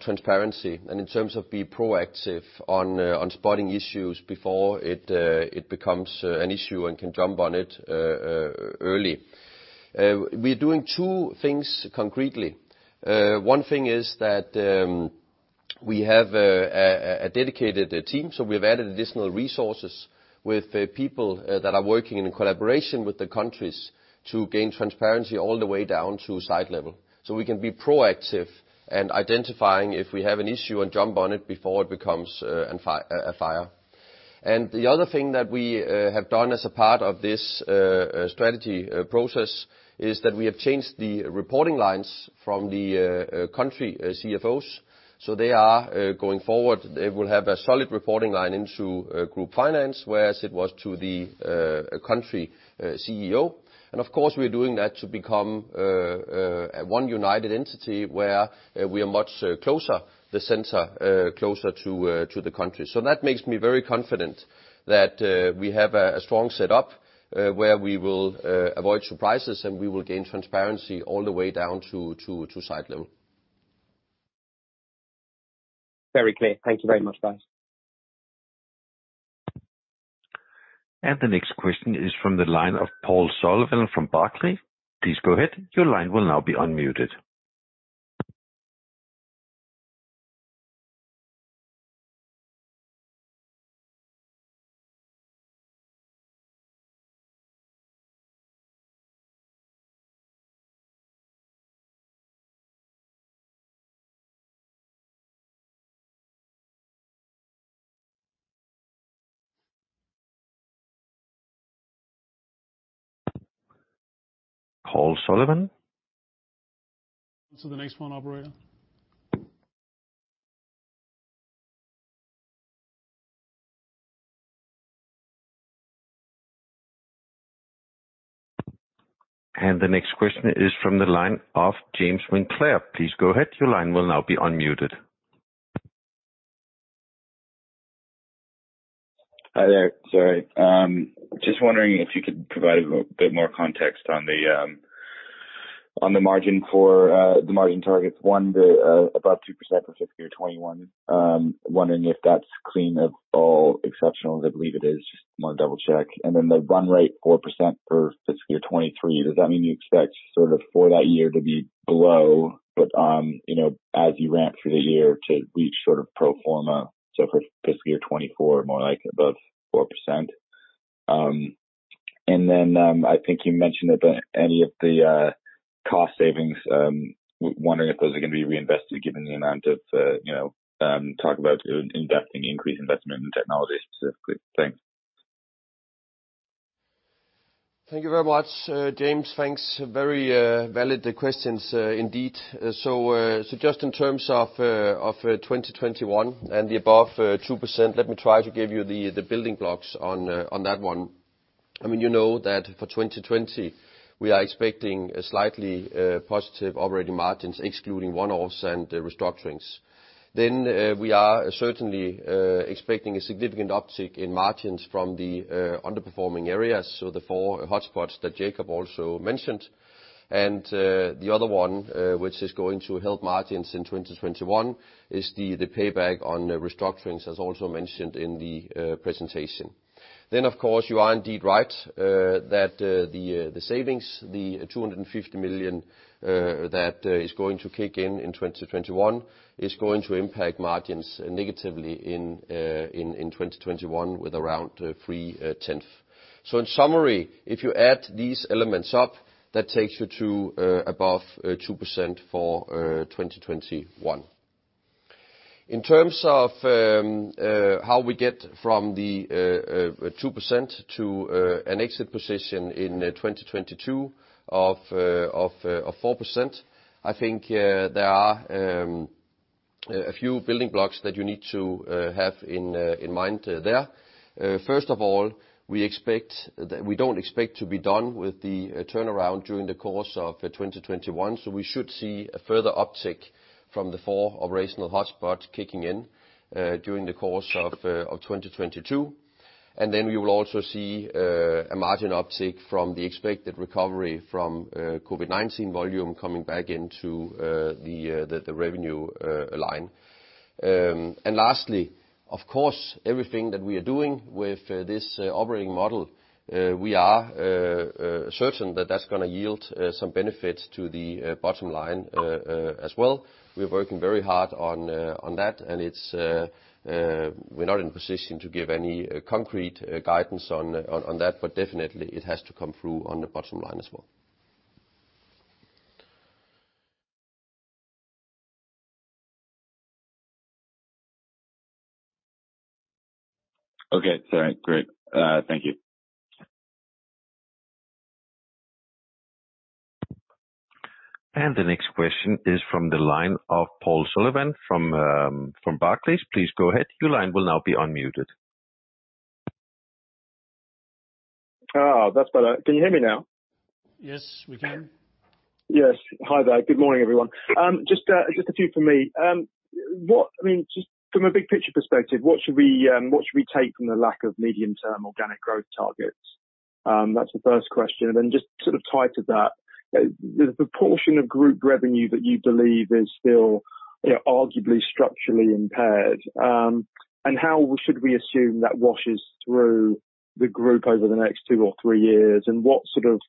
C: transparency and in terms of being proactive on spotting issues before it becomes an issue and can jump on it early. We are doing two things concretely. One thing is that we have a dedicated team, so we have added additional resources with people that are working in collaboration with the countries to gain transparency all the way down to site level, so we can be proactive and identifying if we have an issue and jump on it before it becomes a fire, and the other thing that we have done as a part of this strategy process is that we have changed the reporting lines from the country CFOs, so they are going forward, they will have a solid reporting line into group finance, whereas it was to the country CEO, and of course, we are doing that to become one united entity where we are much closer, the center closer to the country. So that makes me very confident that we have a strong setup where we will avoid surprises and we will gain transparency all the way down to site level.
D: Very clear. Thank you very much, guys.
A: And the next question is from the line of Paul Sullivan from Barclays. Please go ahead. Your line will now be unmuted. Paul Sullivan.
B: On to the next one, operator.
A: And the next question is from the line of James Ainley. Please go ahead. Your line will now be unmuted. Hi there. Sorry. Just wondering if you could provide a bit more context on the margin targets. One, about 2% for fiscal year 2021. Wondering if that's clean of all exceptionals. I believe it is. Just want to double-check. And then the run rate 4% for fiscal year 2023. Does that mean you expect sort of for that year to be below, but as you ramp through the year to reach sort of pro forma? So for fiscal year 2024, more like above 4%. And then I think you mentioned about any of the cost savings. Wondering if those are going to be reinvested given the amount of talk about increased investment in technology specifically. Thanks.
C: Thank you very much, James. Thanks. Very valid questions indeed. So just in terms of 2021 and the above 2%, let me try to give you the building blocks on that one. I mean, you know that for 2020, we are expecting slightly positive operating margins, excluding one-offs and restructurings. Then we are certainly expecting a significant uptick in margins from the underperforming areas, so the four hotspots that Jacob also mentioned. The other one, which is going to help margins in 2021, is the payback on restructurings, as also mentioned in the presentation. Of course, you are indeed right that the savings, the 250 million that is going to kick in in 2021, is going to impact margins negatively in 2021 with around 0.3%. In summary, if you add these elements up, that takes you to above 2% for 2021. In terms of how we get from the 2% to an exit position in 2022 of 4%, I think there are a few building blocks that you need to have in mind there. First of all, we don't expect to be done with the turnaround during the course of 2021. We should see a further uptick from the four operational hotspots kicking in during the course of 2022. And then we will also see a margin uptick from the expected recovery from COVID-19 volume coming back into the revenue line. And lastly, of course, everything that we are doing with this operating model, we are certain that that's going to yield some benefits to the bottom line as well. We're working very hard on that, and we're not in a position to give any concrete guidance on that, but definitely it has to come through on the bottom line as well. Okay. All right. Great. Thank you.
A: And the next question is from the line of Paul Sullivan from Barclays. Please go ahead. Your line will now be unmuted.
E: Oh, that's better. Can you hear me now?
B: Yes, we can.
E: Yes. Hi there. Good morning, everyone. Just a few from me. I mean, just from a big picture perspective, what should we take from the lack of medium-term organic growth targets? That's the first question. And then just sort of tied to that, the proportion of group revenue that you believe is still arguably structurally impaired, and how should we assume that washes through the group over the next two or three years, and what sort of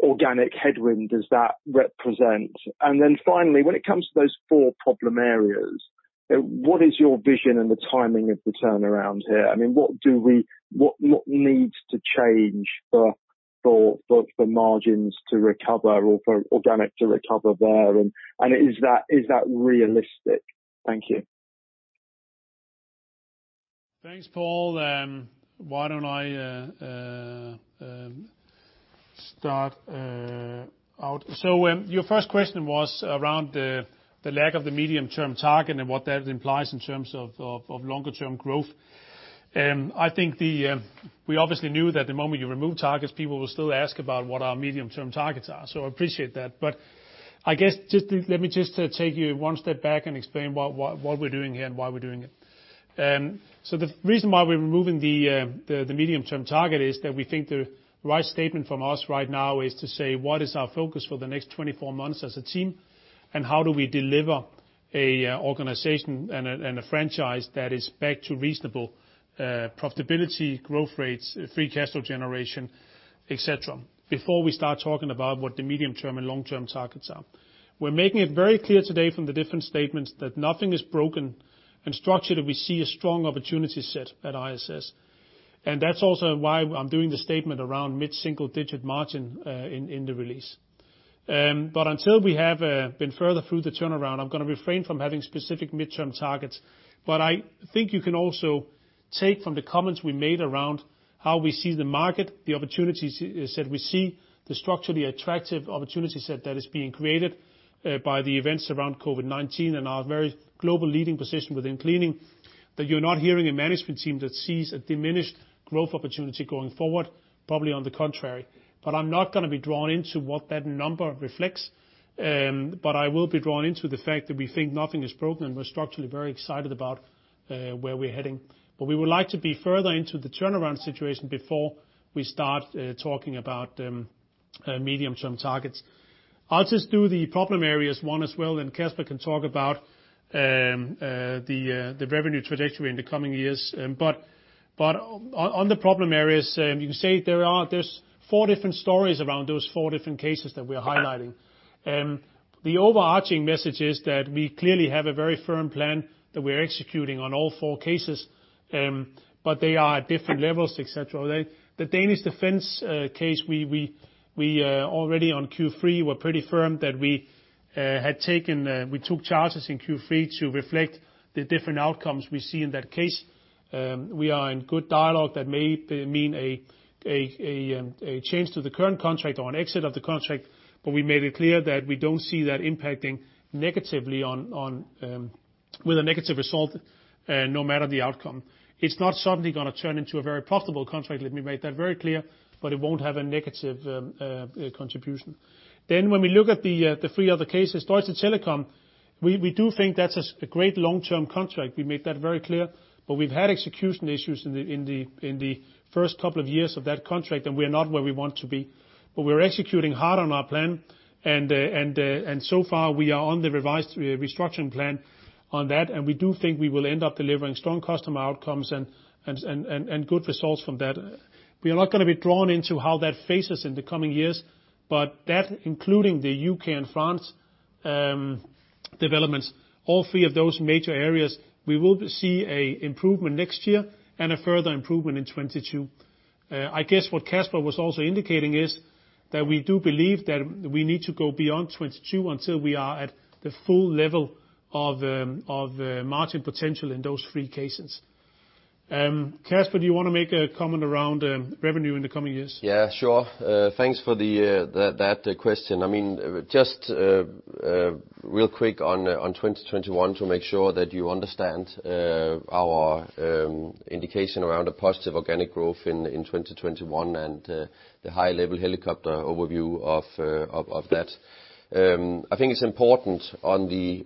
E: organic headwind does that represent? And then finally, when it comes to those four problem areas, what is your vision and the timing of the turnaround here? I mean, what needs to change for margins to recover or for organic to recover there, and is that realistic? Thank you.
B: Thanks, Paul. Why don't I start out? So your first question was around the lack of the medium-term target and what that implies in terms of longer-term growth. I think we obviously knew that the moment you remove targets, people will still ask about what our medium-term targets are. So I appreciate that. But I guess let me just take you one step back and explain what we're doing here and why we're doing it. So the reason why we're removing the medium-term target is that we think the right statement from us right now is to say, "What is our focus for the next 24 months as a team, and how do we deliver an organization and a franchise that is back to reasonable profitability, growth rates, free cash flow generation, etc., before we start talking about what the medium-term and long-term targets are?" We're making it very clear today from the different statements that nothing is broken and structured if we see a strong opportunity set at ISS. And that's also why I'm doing the statement around mid-single-digit margin in the release. But until we have been further through the turnaround, I'm going to refrain from having specific midterm targets. But I think you can also take from the comments we made around how we see the market, the opportunities that we see, the structurally attractive opportunity set that is being created by the events around COVID-19 and our very global leading position within cleaning, that you're not hearing a management team that sees a diminished growth opportunity going forward. Probably on the contrary. But I'm not going to be drawn into what that number reflects, but I will be drawn into the fact that we think nothing is broken and we're structurally very excited about where we're heading. But we would like to be further into the turnaround situation before we start talking about medium-term targets. I'll just do the problem areas one as well, and Kasper can talk about the revenue trajectory in the coming years. But on the problem areas, you can say there's four different stories around those four different cases that we are highlighting. The overarching message is that we clearly have a very firm plan that we are executing on all four cases, but they are at different levels, etc. The Danish Defence case, already on Q3, we were pretty firm that we took charges in Q3 to reflect the different outcomes we see in that case. We are in good dialogue that may mean a change to the current contract or an exit of the contract, but we made it clear that we don't see that impacting negatively with a negative result no matter the outcome. It's not suddenly going to turn into a very profitable contract, let me make that very clear, but it won't have a negative contribution. Then when we look at the three other cases, Deutsche Telekom, we do think that's a great long-term contract. We made that very clear. But we've had execution issues in the first couple of years of that contract, and we are not where we want to be. But we're executing hard on our plan, and so far, we are on the revised restructuring plan on that, and we do think we will end up delivering strong customer outcomes and good results from that. We are not going to be drawn into how that fares in the coming years, but that, including the UK and France developments, all three of those major areas, we will see an improvement next year and a further improvement in 2022. I guess what Kasper was also indicating is that we do believe that we need to go beyond 2022 until we are at the full level of margin potential in those three cases. Kasper, do you want to make a comment around revenue in the coming years?
C: Yeah, sure. Thanks for that question. I mean, just real quick on 2021 to make sure that you understand our indication around the positive organic growth in 2021 and the high-level helicopter overview of that. I think it's important on the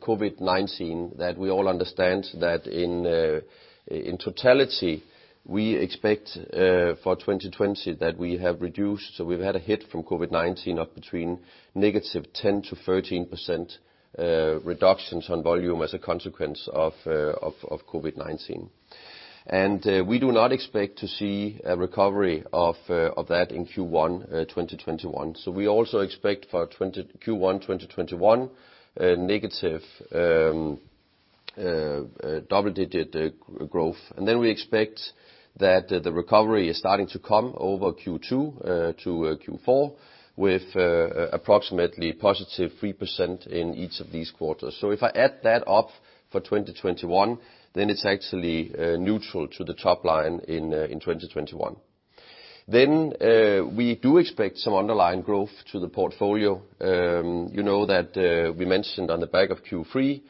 C: COVID-19 that we all understand that in totality. We expect for 2020 that we have reduced, so we've had a hit from COVID-19 of between -10% to -13% reductions on volume as a consequence of COVID-19. We do not expect to see a recovery of that in Q1 2021. We also expect for Q1 2021 negative double-digit growth. And then we expect that the recovery is starting to come over Q2 to Q4 with approximately positive 3% in each of these quarters. So if I add that up for 2021, then it's actually neutral to the top line in 2021. Then we do expect some underlying growth to the portfolio. You know that we mentioned on the back of Q3,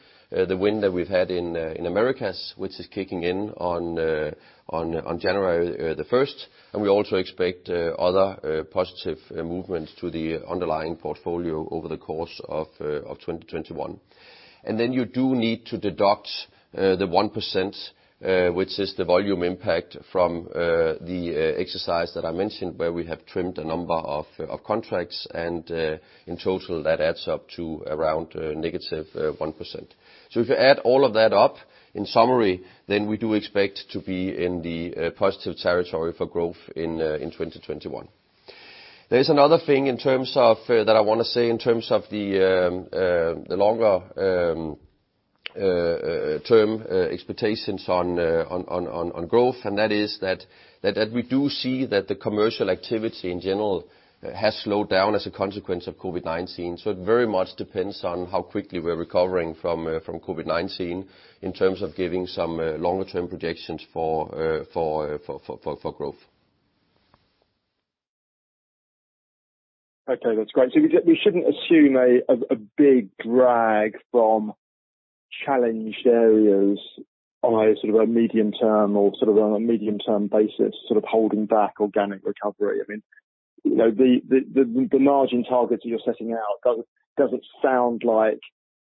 C: the wind that we've had in Americas, which is kicking in on January the 1st, and we also expect other positive movements to the underlying portfolio over the course of 2021. And then you do need to deduct the 1%, which is the volume impact from the exercise that I mentioned where we have trimmed a number of contracts, and in total, that adds up to around negative 1%. So if you add all of that up, in summary, then we do expect to be in the positive territory for growth in 2021. There is another thing that I want to say in terms of the longer-term expectations on growth, and that is that we do see that the commercial activity in general has slowed down as a consequence of COVID-19. So it very much depends on how quickly we're recovering from COVID-19 in terms of giving some longer-term projections for growth.
E: Okay. That's great. So we shouldn't assume a big drag from challenged areas on a sort of a medium-term or sort of a medium-term basis sort of holding back organic recovery. I mean, the margin targets that you're setting out, does it sound like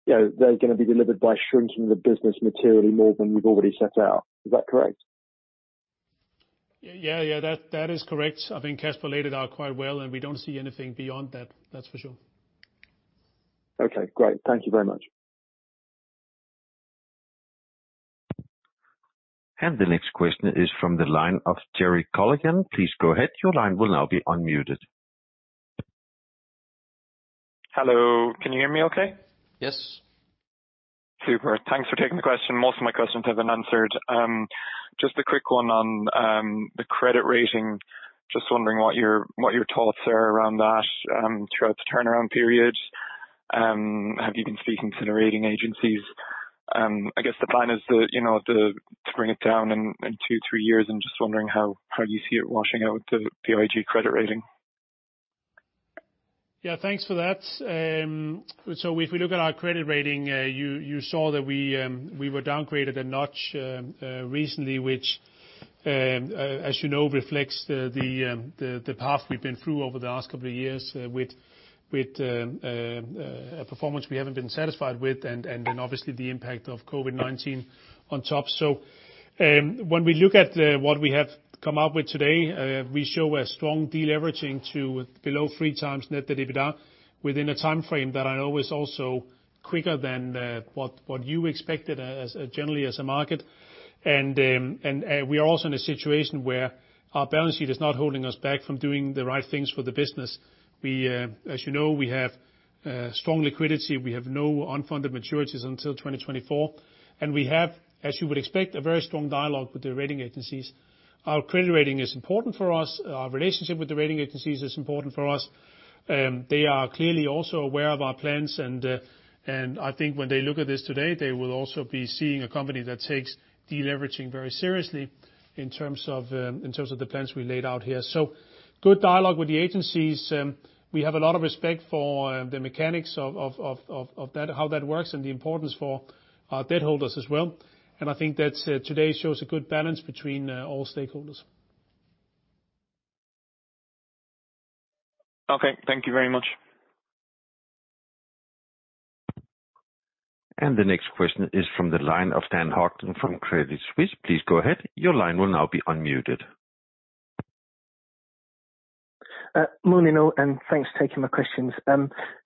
E: they're going to be delivered by shrinking the business materially more than you've already set out? Is that correct?
B: Yeah. Yeah. That is correct. I think Kasper laid it out quite well, and we don't see anything beyond that. That's for sure.
E: Okay. Great. Thank you very much.
A: And the next question is from the line of Gereon Colligan. Please go ahead. Your line will now be unmuted. Hello. Can you hear me okay? Yes. Super. Thanks for taking the question. Most of my questions have been answered. Just a quick one on the credit rating. Just wondering what your thoughts are around that throughout the turnaround period. Have you been speaking to the rating agencies? I guess the plan is to bring it down in two, three years, and just wondering how you see it washing out the IG credit rating.
B: Yeah. Thanks for that. So if we look at our credit rating, you saw that we were downgraded a notch recently, which, as you know, reflects the path we've been through over the last couple of years with a performance we haven't been satisfied with, and then obviously the impact of COVID-19 on top. So when we look at what we have come up with today, we show a strong deleveraging to below three times net debt/EBITDA within a timeframe that I know is also quicker than what you expected generally as a market. And we are also in a situation where our balance sheet is not holding us back from doing the right things for the business. As you know, we have strong liquidity. We have no unfunded maturities until 2024. And we have, as you would expect, a very strong dialogue with the rating agencies. Our credit rating is important for us. Our relationship with the rating agencies is important for us. They are clearly also aware of our plans, and I think when they look at this today, they will also be seeing a company that takes deleveraging very seriously in terms of the plans we laid out here. So good dialogue with the agencies. We have a lot of respect for the mechanics of how that works and the importance for our debt holders as well. And I think that today shows a good balance between all stakeholders. Okay. Thank you very much.
A: And the next question is from the line of Dan Horgen from Credit Suisse. Please go ahead. Your line will now be unmuted.
F: Morning, Jacob, and thanks for taking my questions.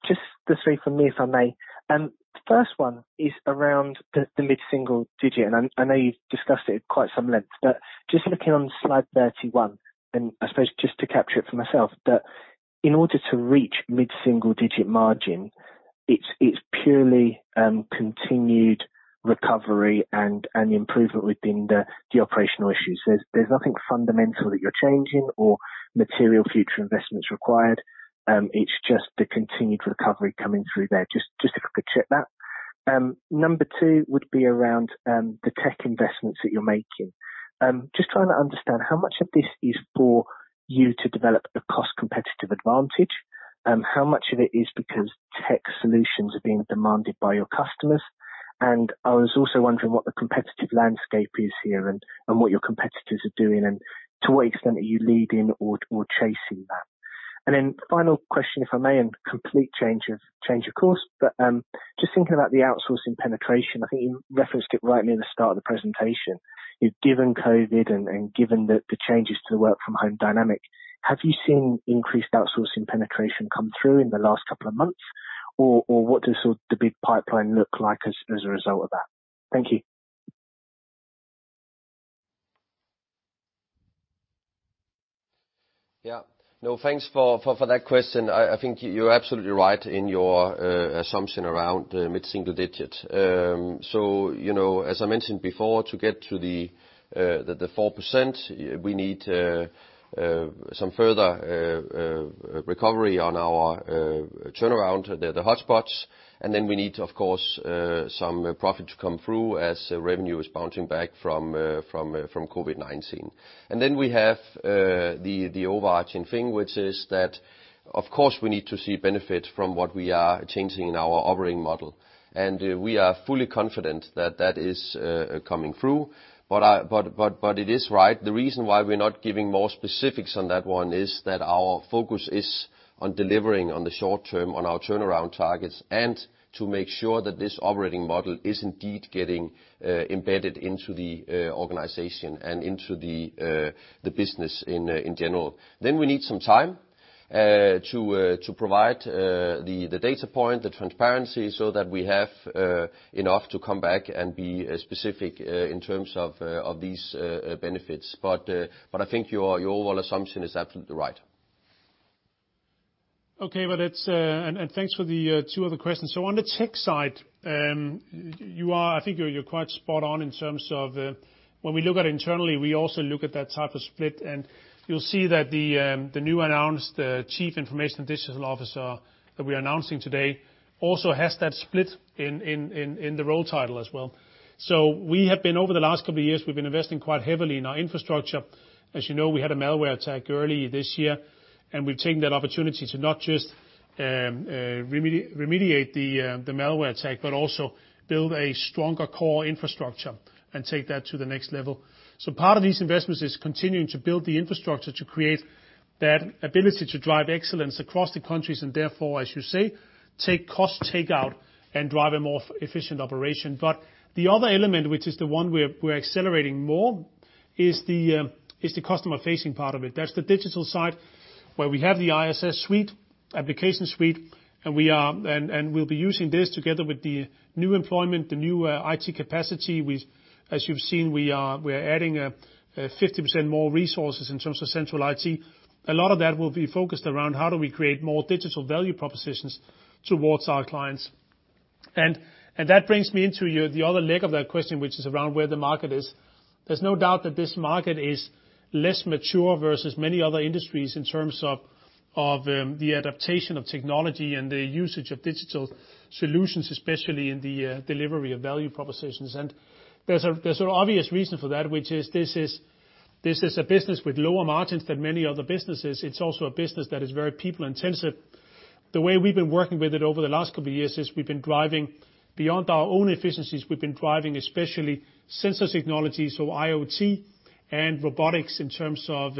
F: Just the three from me, if I may. The first one is around the mid-single-digit, and I know you've discussed it at quite some length, but just looking on slide 31, and I suppose just to capture it for myself, that in order to reach mid-single-digit margin, it's purely continued recovery and improvement within the operational issues. There's nothing fundamental that you're changing or material future investments required. It's just the continued recovery coming through there. Just to quickly check that. Number two would be around the tech investments that you're making. Just trying to understand how much of this is for you to develop a cost-competitive advantage, how much of it is because tech solutions are being demanded by your customers. And I was also wondering what the competitive landscape is here and what your competitors are doing and to what extent are you leading or chasing that. Then final question, if I may, and complete change of course, but just thinking about the outsourcing penetration, I think you referenced it rightly at the start of the presentation. Given COVID and given the changes to the work-from-home dynamic, have you seen increased outsourcing penetration come through in the last couple of months, or what does the big pipeline look like as a result of that? Thank you.
C: Yeah. Jacob, thanks for that question. I think you're absolutely right in your assumption around mid-single digit. So as I mentioned before, to get to the 4%, we need some further recovery on our turnaround, the hotspots, and then we need, of course, some profit to come through as revenue is bouncing back from COVID-19. And then we have the overarching thing, which is that, of course, we need to see benefit from what we are changing in our operating model. And we are fully confident that that is coming through. But it is right. The reason why we're not giving more specifics on that one is that our focus is on delivering on the short term on our turnaround targets and to make sure that this operating model is indeed getting embedded into the organization and into the business in general. Then we need some time to provide the data point, the transparency, so that we have enough to come back and be specific in terms of these benefits. But I think your overall assumption is absolutely right.
B: Okay. And thanks for the two other questions. So on the tech side, I think you're quite spot on in terms of when we look at it internally, we also look at that type of split, and you'll see that the newly announced Chief Information and Digital Officer that we are announcing today also has that split in the role title as well. So we have been, over the last couple of years, we've been investing quite heavily in our infrastructure. As you know, we had a malware attack early this year, and we've taken that opportunity to not just remediate the malware attack but also build a stronger core infrastructure and take that to the next level. So part of these investments is continuing to build the infrastructure to create that ability to drive excellence across the countries and therefore, as you say, take cost takeout and drive a more efficient operation. But the other element, which is the one we're accelerating more, is the customer-facing part of it. That's the digital side where we have the ISS Suite, application suite, and we'll be using this together with the new employment, the new IT capacity. As you've seen, we are adding 50% more resources in terms of central IT. A lot of that will be focused around how do we create more digital value propositions towards our clients. And that brings me into the other leg of that question, which is around where the market is. There's no doubt that this market is less mature versus many other industries in terms of the adaptation of technology and the usage of digital solutions, especially in the delivery of value propositions. And there's an obvious reason for that, which is this is a business with lower margins than many other businesses. It's also a business that is very people-intensive. The way we've been working with it over the last couple of years is we've been driving beyond our own efficiencies. We've been driving especially sensor technologies, so IoT and robotics in terms of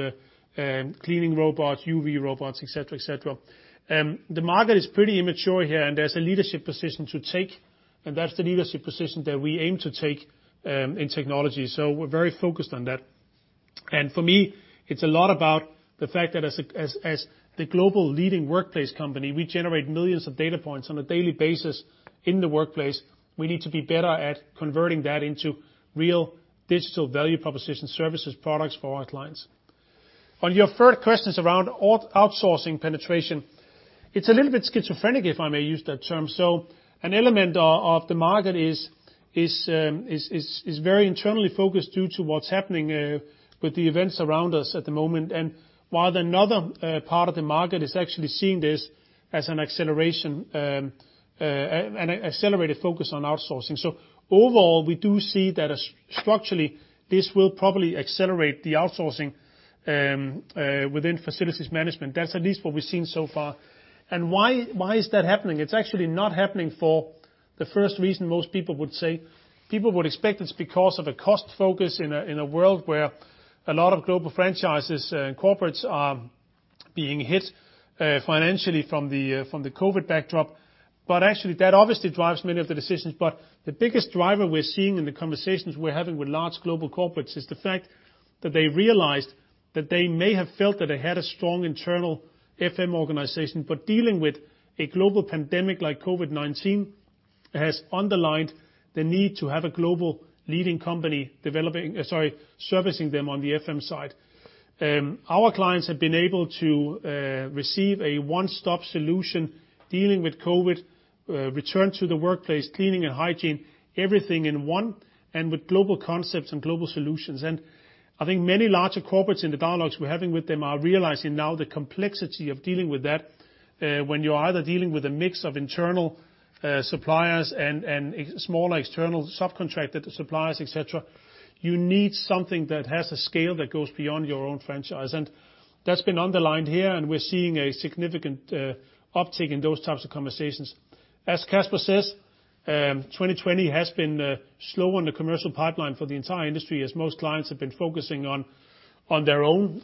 B: cleaning robots, UV robots, etc., etc. The market is pretty immature here, and there's a leadership position to take, and that's the leadership position that we aim to take in technology. So we're very focused on that. And for me, it's a lot about the fact that as the global leading workplace company, we generate millions of data points on a daily basis in the workplace. We need to be better at converting that into real digital value proposition services, products for our clients. On your third question is around outsourcing penetration. It's a little bit schizophrenic, if I may use that term. So an element of the market is very internally focused due to what's happening with the events around us at the moment. And while another part of the market is actually seeing this as an accelerated focus on outsourcing. So overall, we do see that structurally, this will probably accelerate the outsourcing within facilities management. That's at least what we've seen so far. And why is that happening? It's actually not happening for the first reason most people would say. People would expect it's because of a cost focus in a world where a lot of global franchises and corporates are being hit financially from the COVID backdrop. But actually, that obviously drives many of the decisions. But the biggest driver we're seeing in the conversations we're having with large global corporates is the fact that they realized that they may have felt that they had a strong internal FM organization, but dealing with a global pandemic like COVID-19 has underlined the need to have a global leading company servicing them on the FM side. Our clients have been able to receive a one-stop solution dealing with COVID, return to the workplace, cleaning and hygiene, everything in one, and with global concepts and global solutions. And I think many larger corporates in the dialogues we're having with them are realizing now the complexity of dealing with that when you're either dealing with a mix of internal suppliers and smaller external subcontracted suppliers, etc. You need something that has a scale that goes beyond your own franchise. And that's been underlined here, and we're seeing a significant uptick in those types of conversations. As Kasper says, 2020 has been slow on the commercial pipeline for the entire industry as most clients have been focusing on their own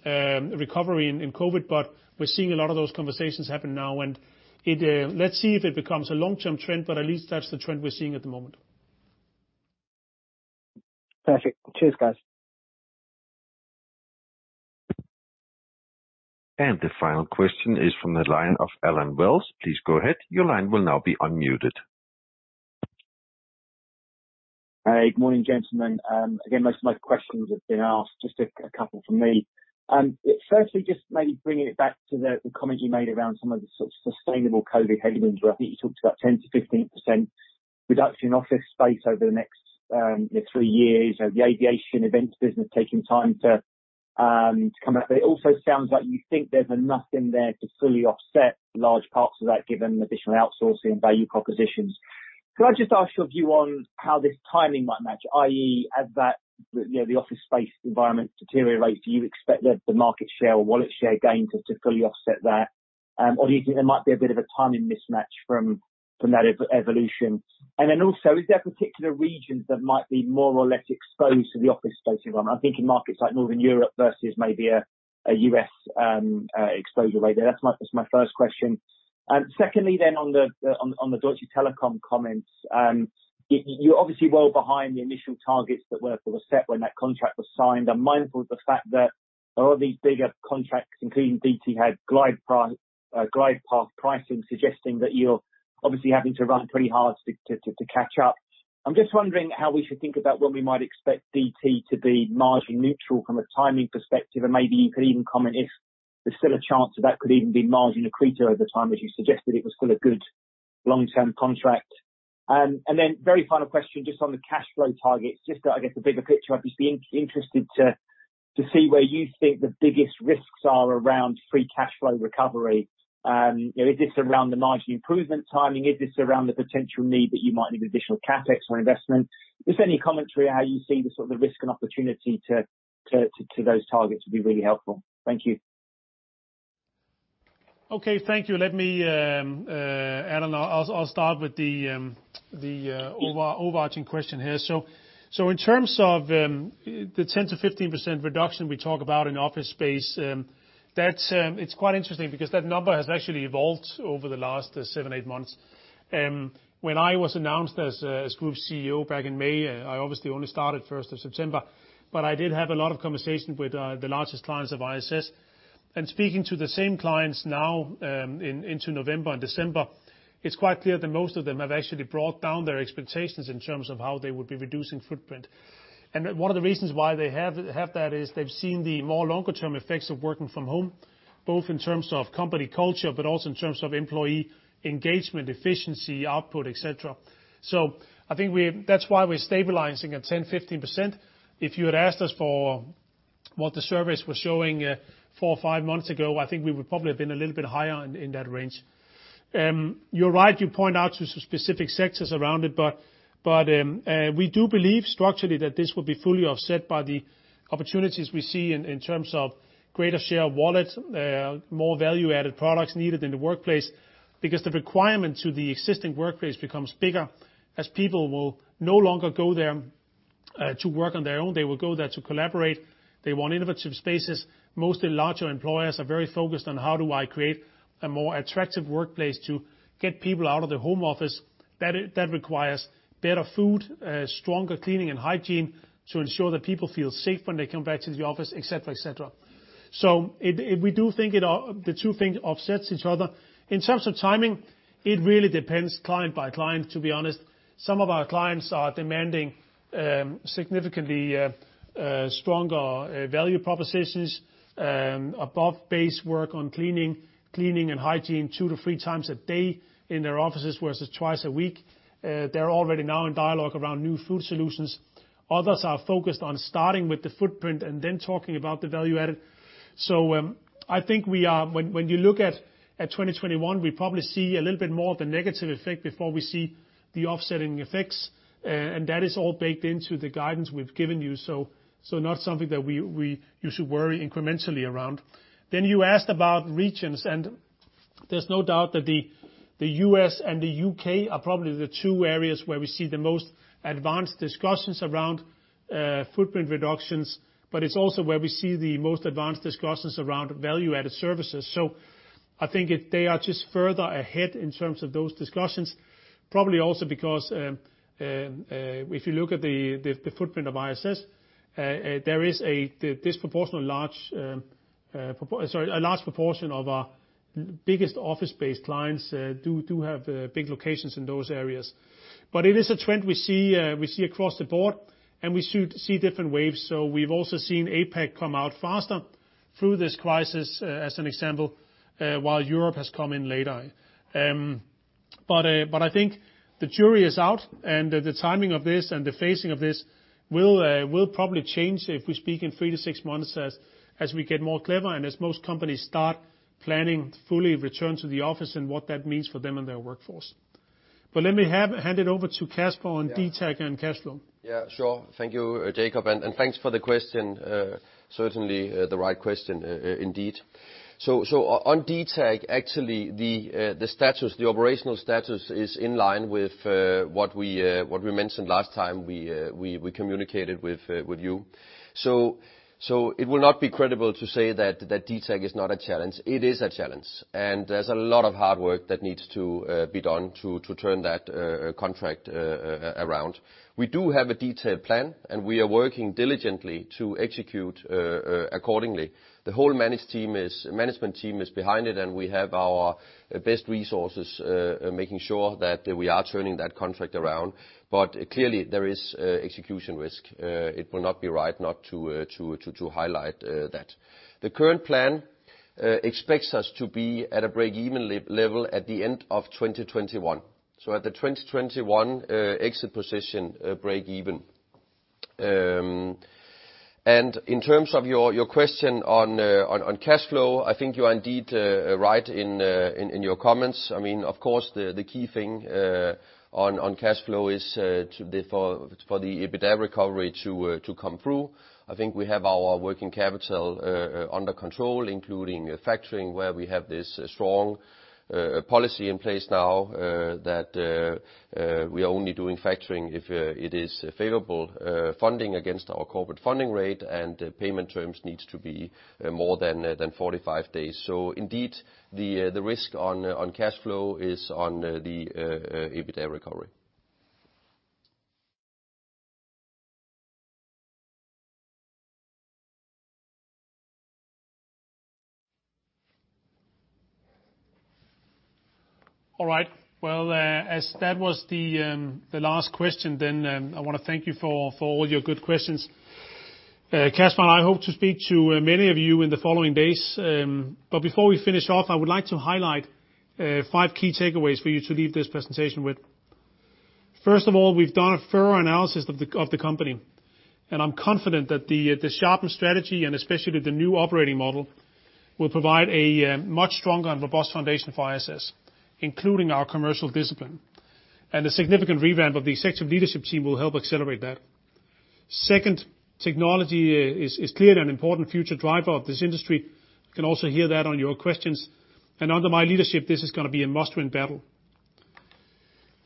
B: recovery in COVID. But we're seeing a lot of those conversations happen now. And let's see if it becomes a long-term trend, but at least that's the trend we're seeing at the moment.
F: Perfect. Cheers, guys.
A: And the final question is from the line of Allen Wells. Please go ahead. Your line will now be unmuted. Hey. Good morning, gentlemen. Again, most of my questions have been asked. Just a couple from me. Firstly, just maybe bringing it back to the comment you made around some of the sustainable COVID headwinds. I think you talked about 10%-15% reduction in office space over the next three years, the aviation events business taking time to come up. It also sounds like you think there's enough in there to fully offset large parts of that given additional outsourcing and value propositions. Could I just ask your view on how this timing might match, i.e., as the office space environment deteriorates, do you expect that the market share or wallet share gain to fully offset that, or do you think there might be a bit of a timing mismatch from that evolution? And then also, is there particular regions that might be more or less exposed to the office space environment? I'm thinking markets like Northern Europe versus maybe a U.S. exposure right there. That's my first question. Secondly, then, on the Deutsche Telekom comments, you're obviously well behind the initial targets that were set when that contract was signed. I'm mindful of the fact that all these bigger contracts, including DT, had glide path pricing suggesting that you're obviously having to run pretty hard to catch up. I'm just wondering how we should think about when we might expect DT to be margin neutral from a timing perspective, and maybe you could even comment if there's still a chance that that could even be margin accretive over time as you suggested it was still a good long-term contract. Then very final question just on the cash flow targets, just that I get the bigger picture. I'd just be interested to see where you think the biggest risks are around free cash flow recovery. Is this around the margin improvement timing? Is this around the potential need that you might need additional CapEx or investment? Just any commentary on how you see the sort of risk and opportunity to those targets would be really helpful. Thank you.
B: Okay. Thank you. Let me add on. I'll start with the overarching question here. So in terms of the 10%-15% reduction we talk about in office space, it's quite interesting because that number has actually evolved over the last seven, eight months. When I was announced as Group CEO back in May, I obviously only started 1st of September, but I did have a lot of conversations with the largest clients of ISS. And speaking to the same clients now into November and December, it's quite clear that most of them have actually brought down their expectations in terms of how they would be reducing footprint. One of the reasons why they have that is they've seen the more longer-term effects of working from home, both in terms of company culture but also in terms of employee engagement, efficiency, output, etc. So I think that's why we're stabilizing at 10%-15%. If you had asked us for what the surveys were showing four or five months ago, I think we would probably have been a little bit higher in that range. You're right. You point out to some specific sectors around it, but we do believe structurally that this will be fully offset by the opportunities we see in terms of greater share of wallet, more value-added products needed in the workplace because the requirement to the existing workplace becomes bigger as people will no longer go there to work on their own. They will go there to collaborate. They want innovative spaces. Mostly larger employers are very focused on how do I create a more attractive workplace to get people out of the home office. That requires better food, stronger cleaning and hygiene to ensure that people feel safe when they come back to the office, etc., etc. So we do think the two things offset each other. In terms of timing, it really depends client by client, to be honest. Some of our clients are demanding significantly stronger value propositions, above base work on cleaning and hygiene two to three times a day in their offices versus twice a week. They're already now in dialogue around new food solutions. Others are focused on starting with the footprint and then talking about the value-added. I think when you look at 2021, we probably see a little bit more of the negative effect before we see the offsetting effects, and that is all baked into the guidance we've given you, so not something that we should worry incrementally around. You asked about regions, and there's no doubt that the U.S. and the UK are probably the two areas where we see the most advanced discussions around footprint reductions, but it's also where we see the most advanced discussions around value-added services. I think they are just further ahead in terms of those discussions, probably also because if you look at the footprint of ISS, there is a disproportionately large sorry, a large proportion of our biggest office-based clients do have big locations in those areas. But it is a trend we see across the board, and we should see different waves. We've also seen APAC come out faster through this crisis as an example while Europe has come in later. But I think the jury is out, and the timing of this and the phasing of this will probably change if we speak in three to six months as we get more clever and as most companies start planning fully return to the office and what that means for them and their workforce. But let me hand it over to Kasper on DT and cash flow.
C: Yeah. Sure. Thank you, Jacob. And thanks for the question. Certainly the right question indeed. On DT, actually, the operational status is in line with what we mentioned last time we communicated with you. It will not be credible to say that DT is not a challenge. It is a challenge, and there's a lot of hard work that needs to be done to turn that contract around. We do have a detailed plan, and we are working diligently to execute accordingly. The whole management team is behind it, and we have our best resources making sure that we are turning that contract around. But clearly, there is execution risk. It will not be right not to highlight that. The current plan expects us to be at a break-even level at the end of 2021, so at the 2021 exit position break-even. And in terms of your question on cash flow, I think you are indeed right in your comments. I mean, of course, the key thing on cash flow is for the EBITDA recovery to come through. I think we have our working capital under control, including factoring, where we have this strong policy in place now that we are only doing factoring if it is favorable funding against our corporate funding rate, and payment terms need to be more than 45 days. So indeed, the risk on cash flow is on the EBITDA recovery. All right. Well, as that was the last question, then I want to thank you for all your good questions. Kasper, I hope to speak to many of you in the following days. But before we finish off, I would like to highlight five key takeaways for you to leave this presentation with.
B: First of all, we've done a thorough analysis of the company, and I'm confident that the sharpened strategy, and especially the new operating model, will provide a much stronger and robust foundation for ISS, including our commercial discipline. A significant revamp of the executive leadership team will help accelerate that. Second, technology is clearly an important future driver of this industry. You can also hear that on your questions. Under my leadership, this is going to be a must-win battle.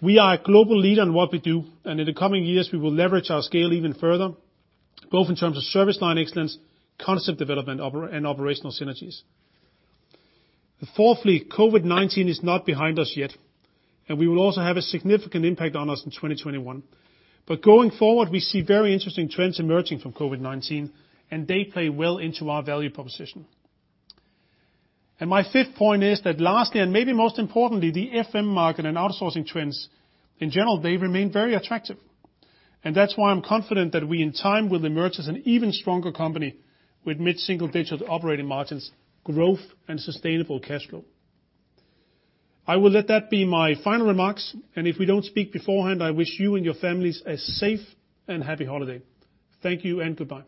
B: We are a global leader in what we do, and in the coming years, we will leverage our scale even further, both in terms of service line excellence, concept development, and operational synergies. Fourthly, COVID-19 is not behind us yet, and we will also have a significant impact on us in 2021. But going forward, we see very interesting trends emerging from COVID-19, and they play well into our value proposition. My fifth point is that lastly, and maybe most importantly, the FM market and outsourcing trends in general, they remain very attractive. And that's why I'm confident that we, in time, will emerge as an even stronger company with mid-single-digit operating margins, growth, and sustainable cash flow. I will let that be my final remarks. And if we don't speak beforehand, I wish you and your families a safe and happy holiday. Thank you and goodbye.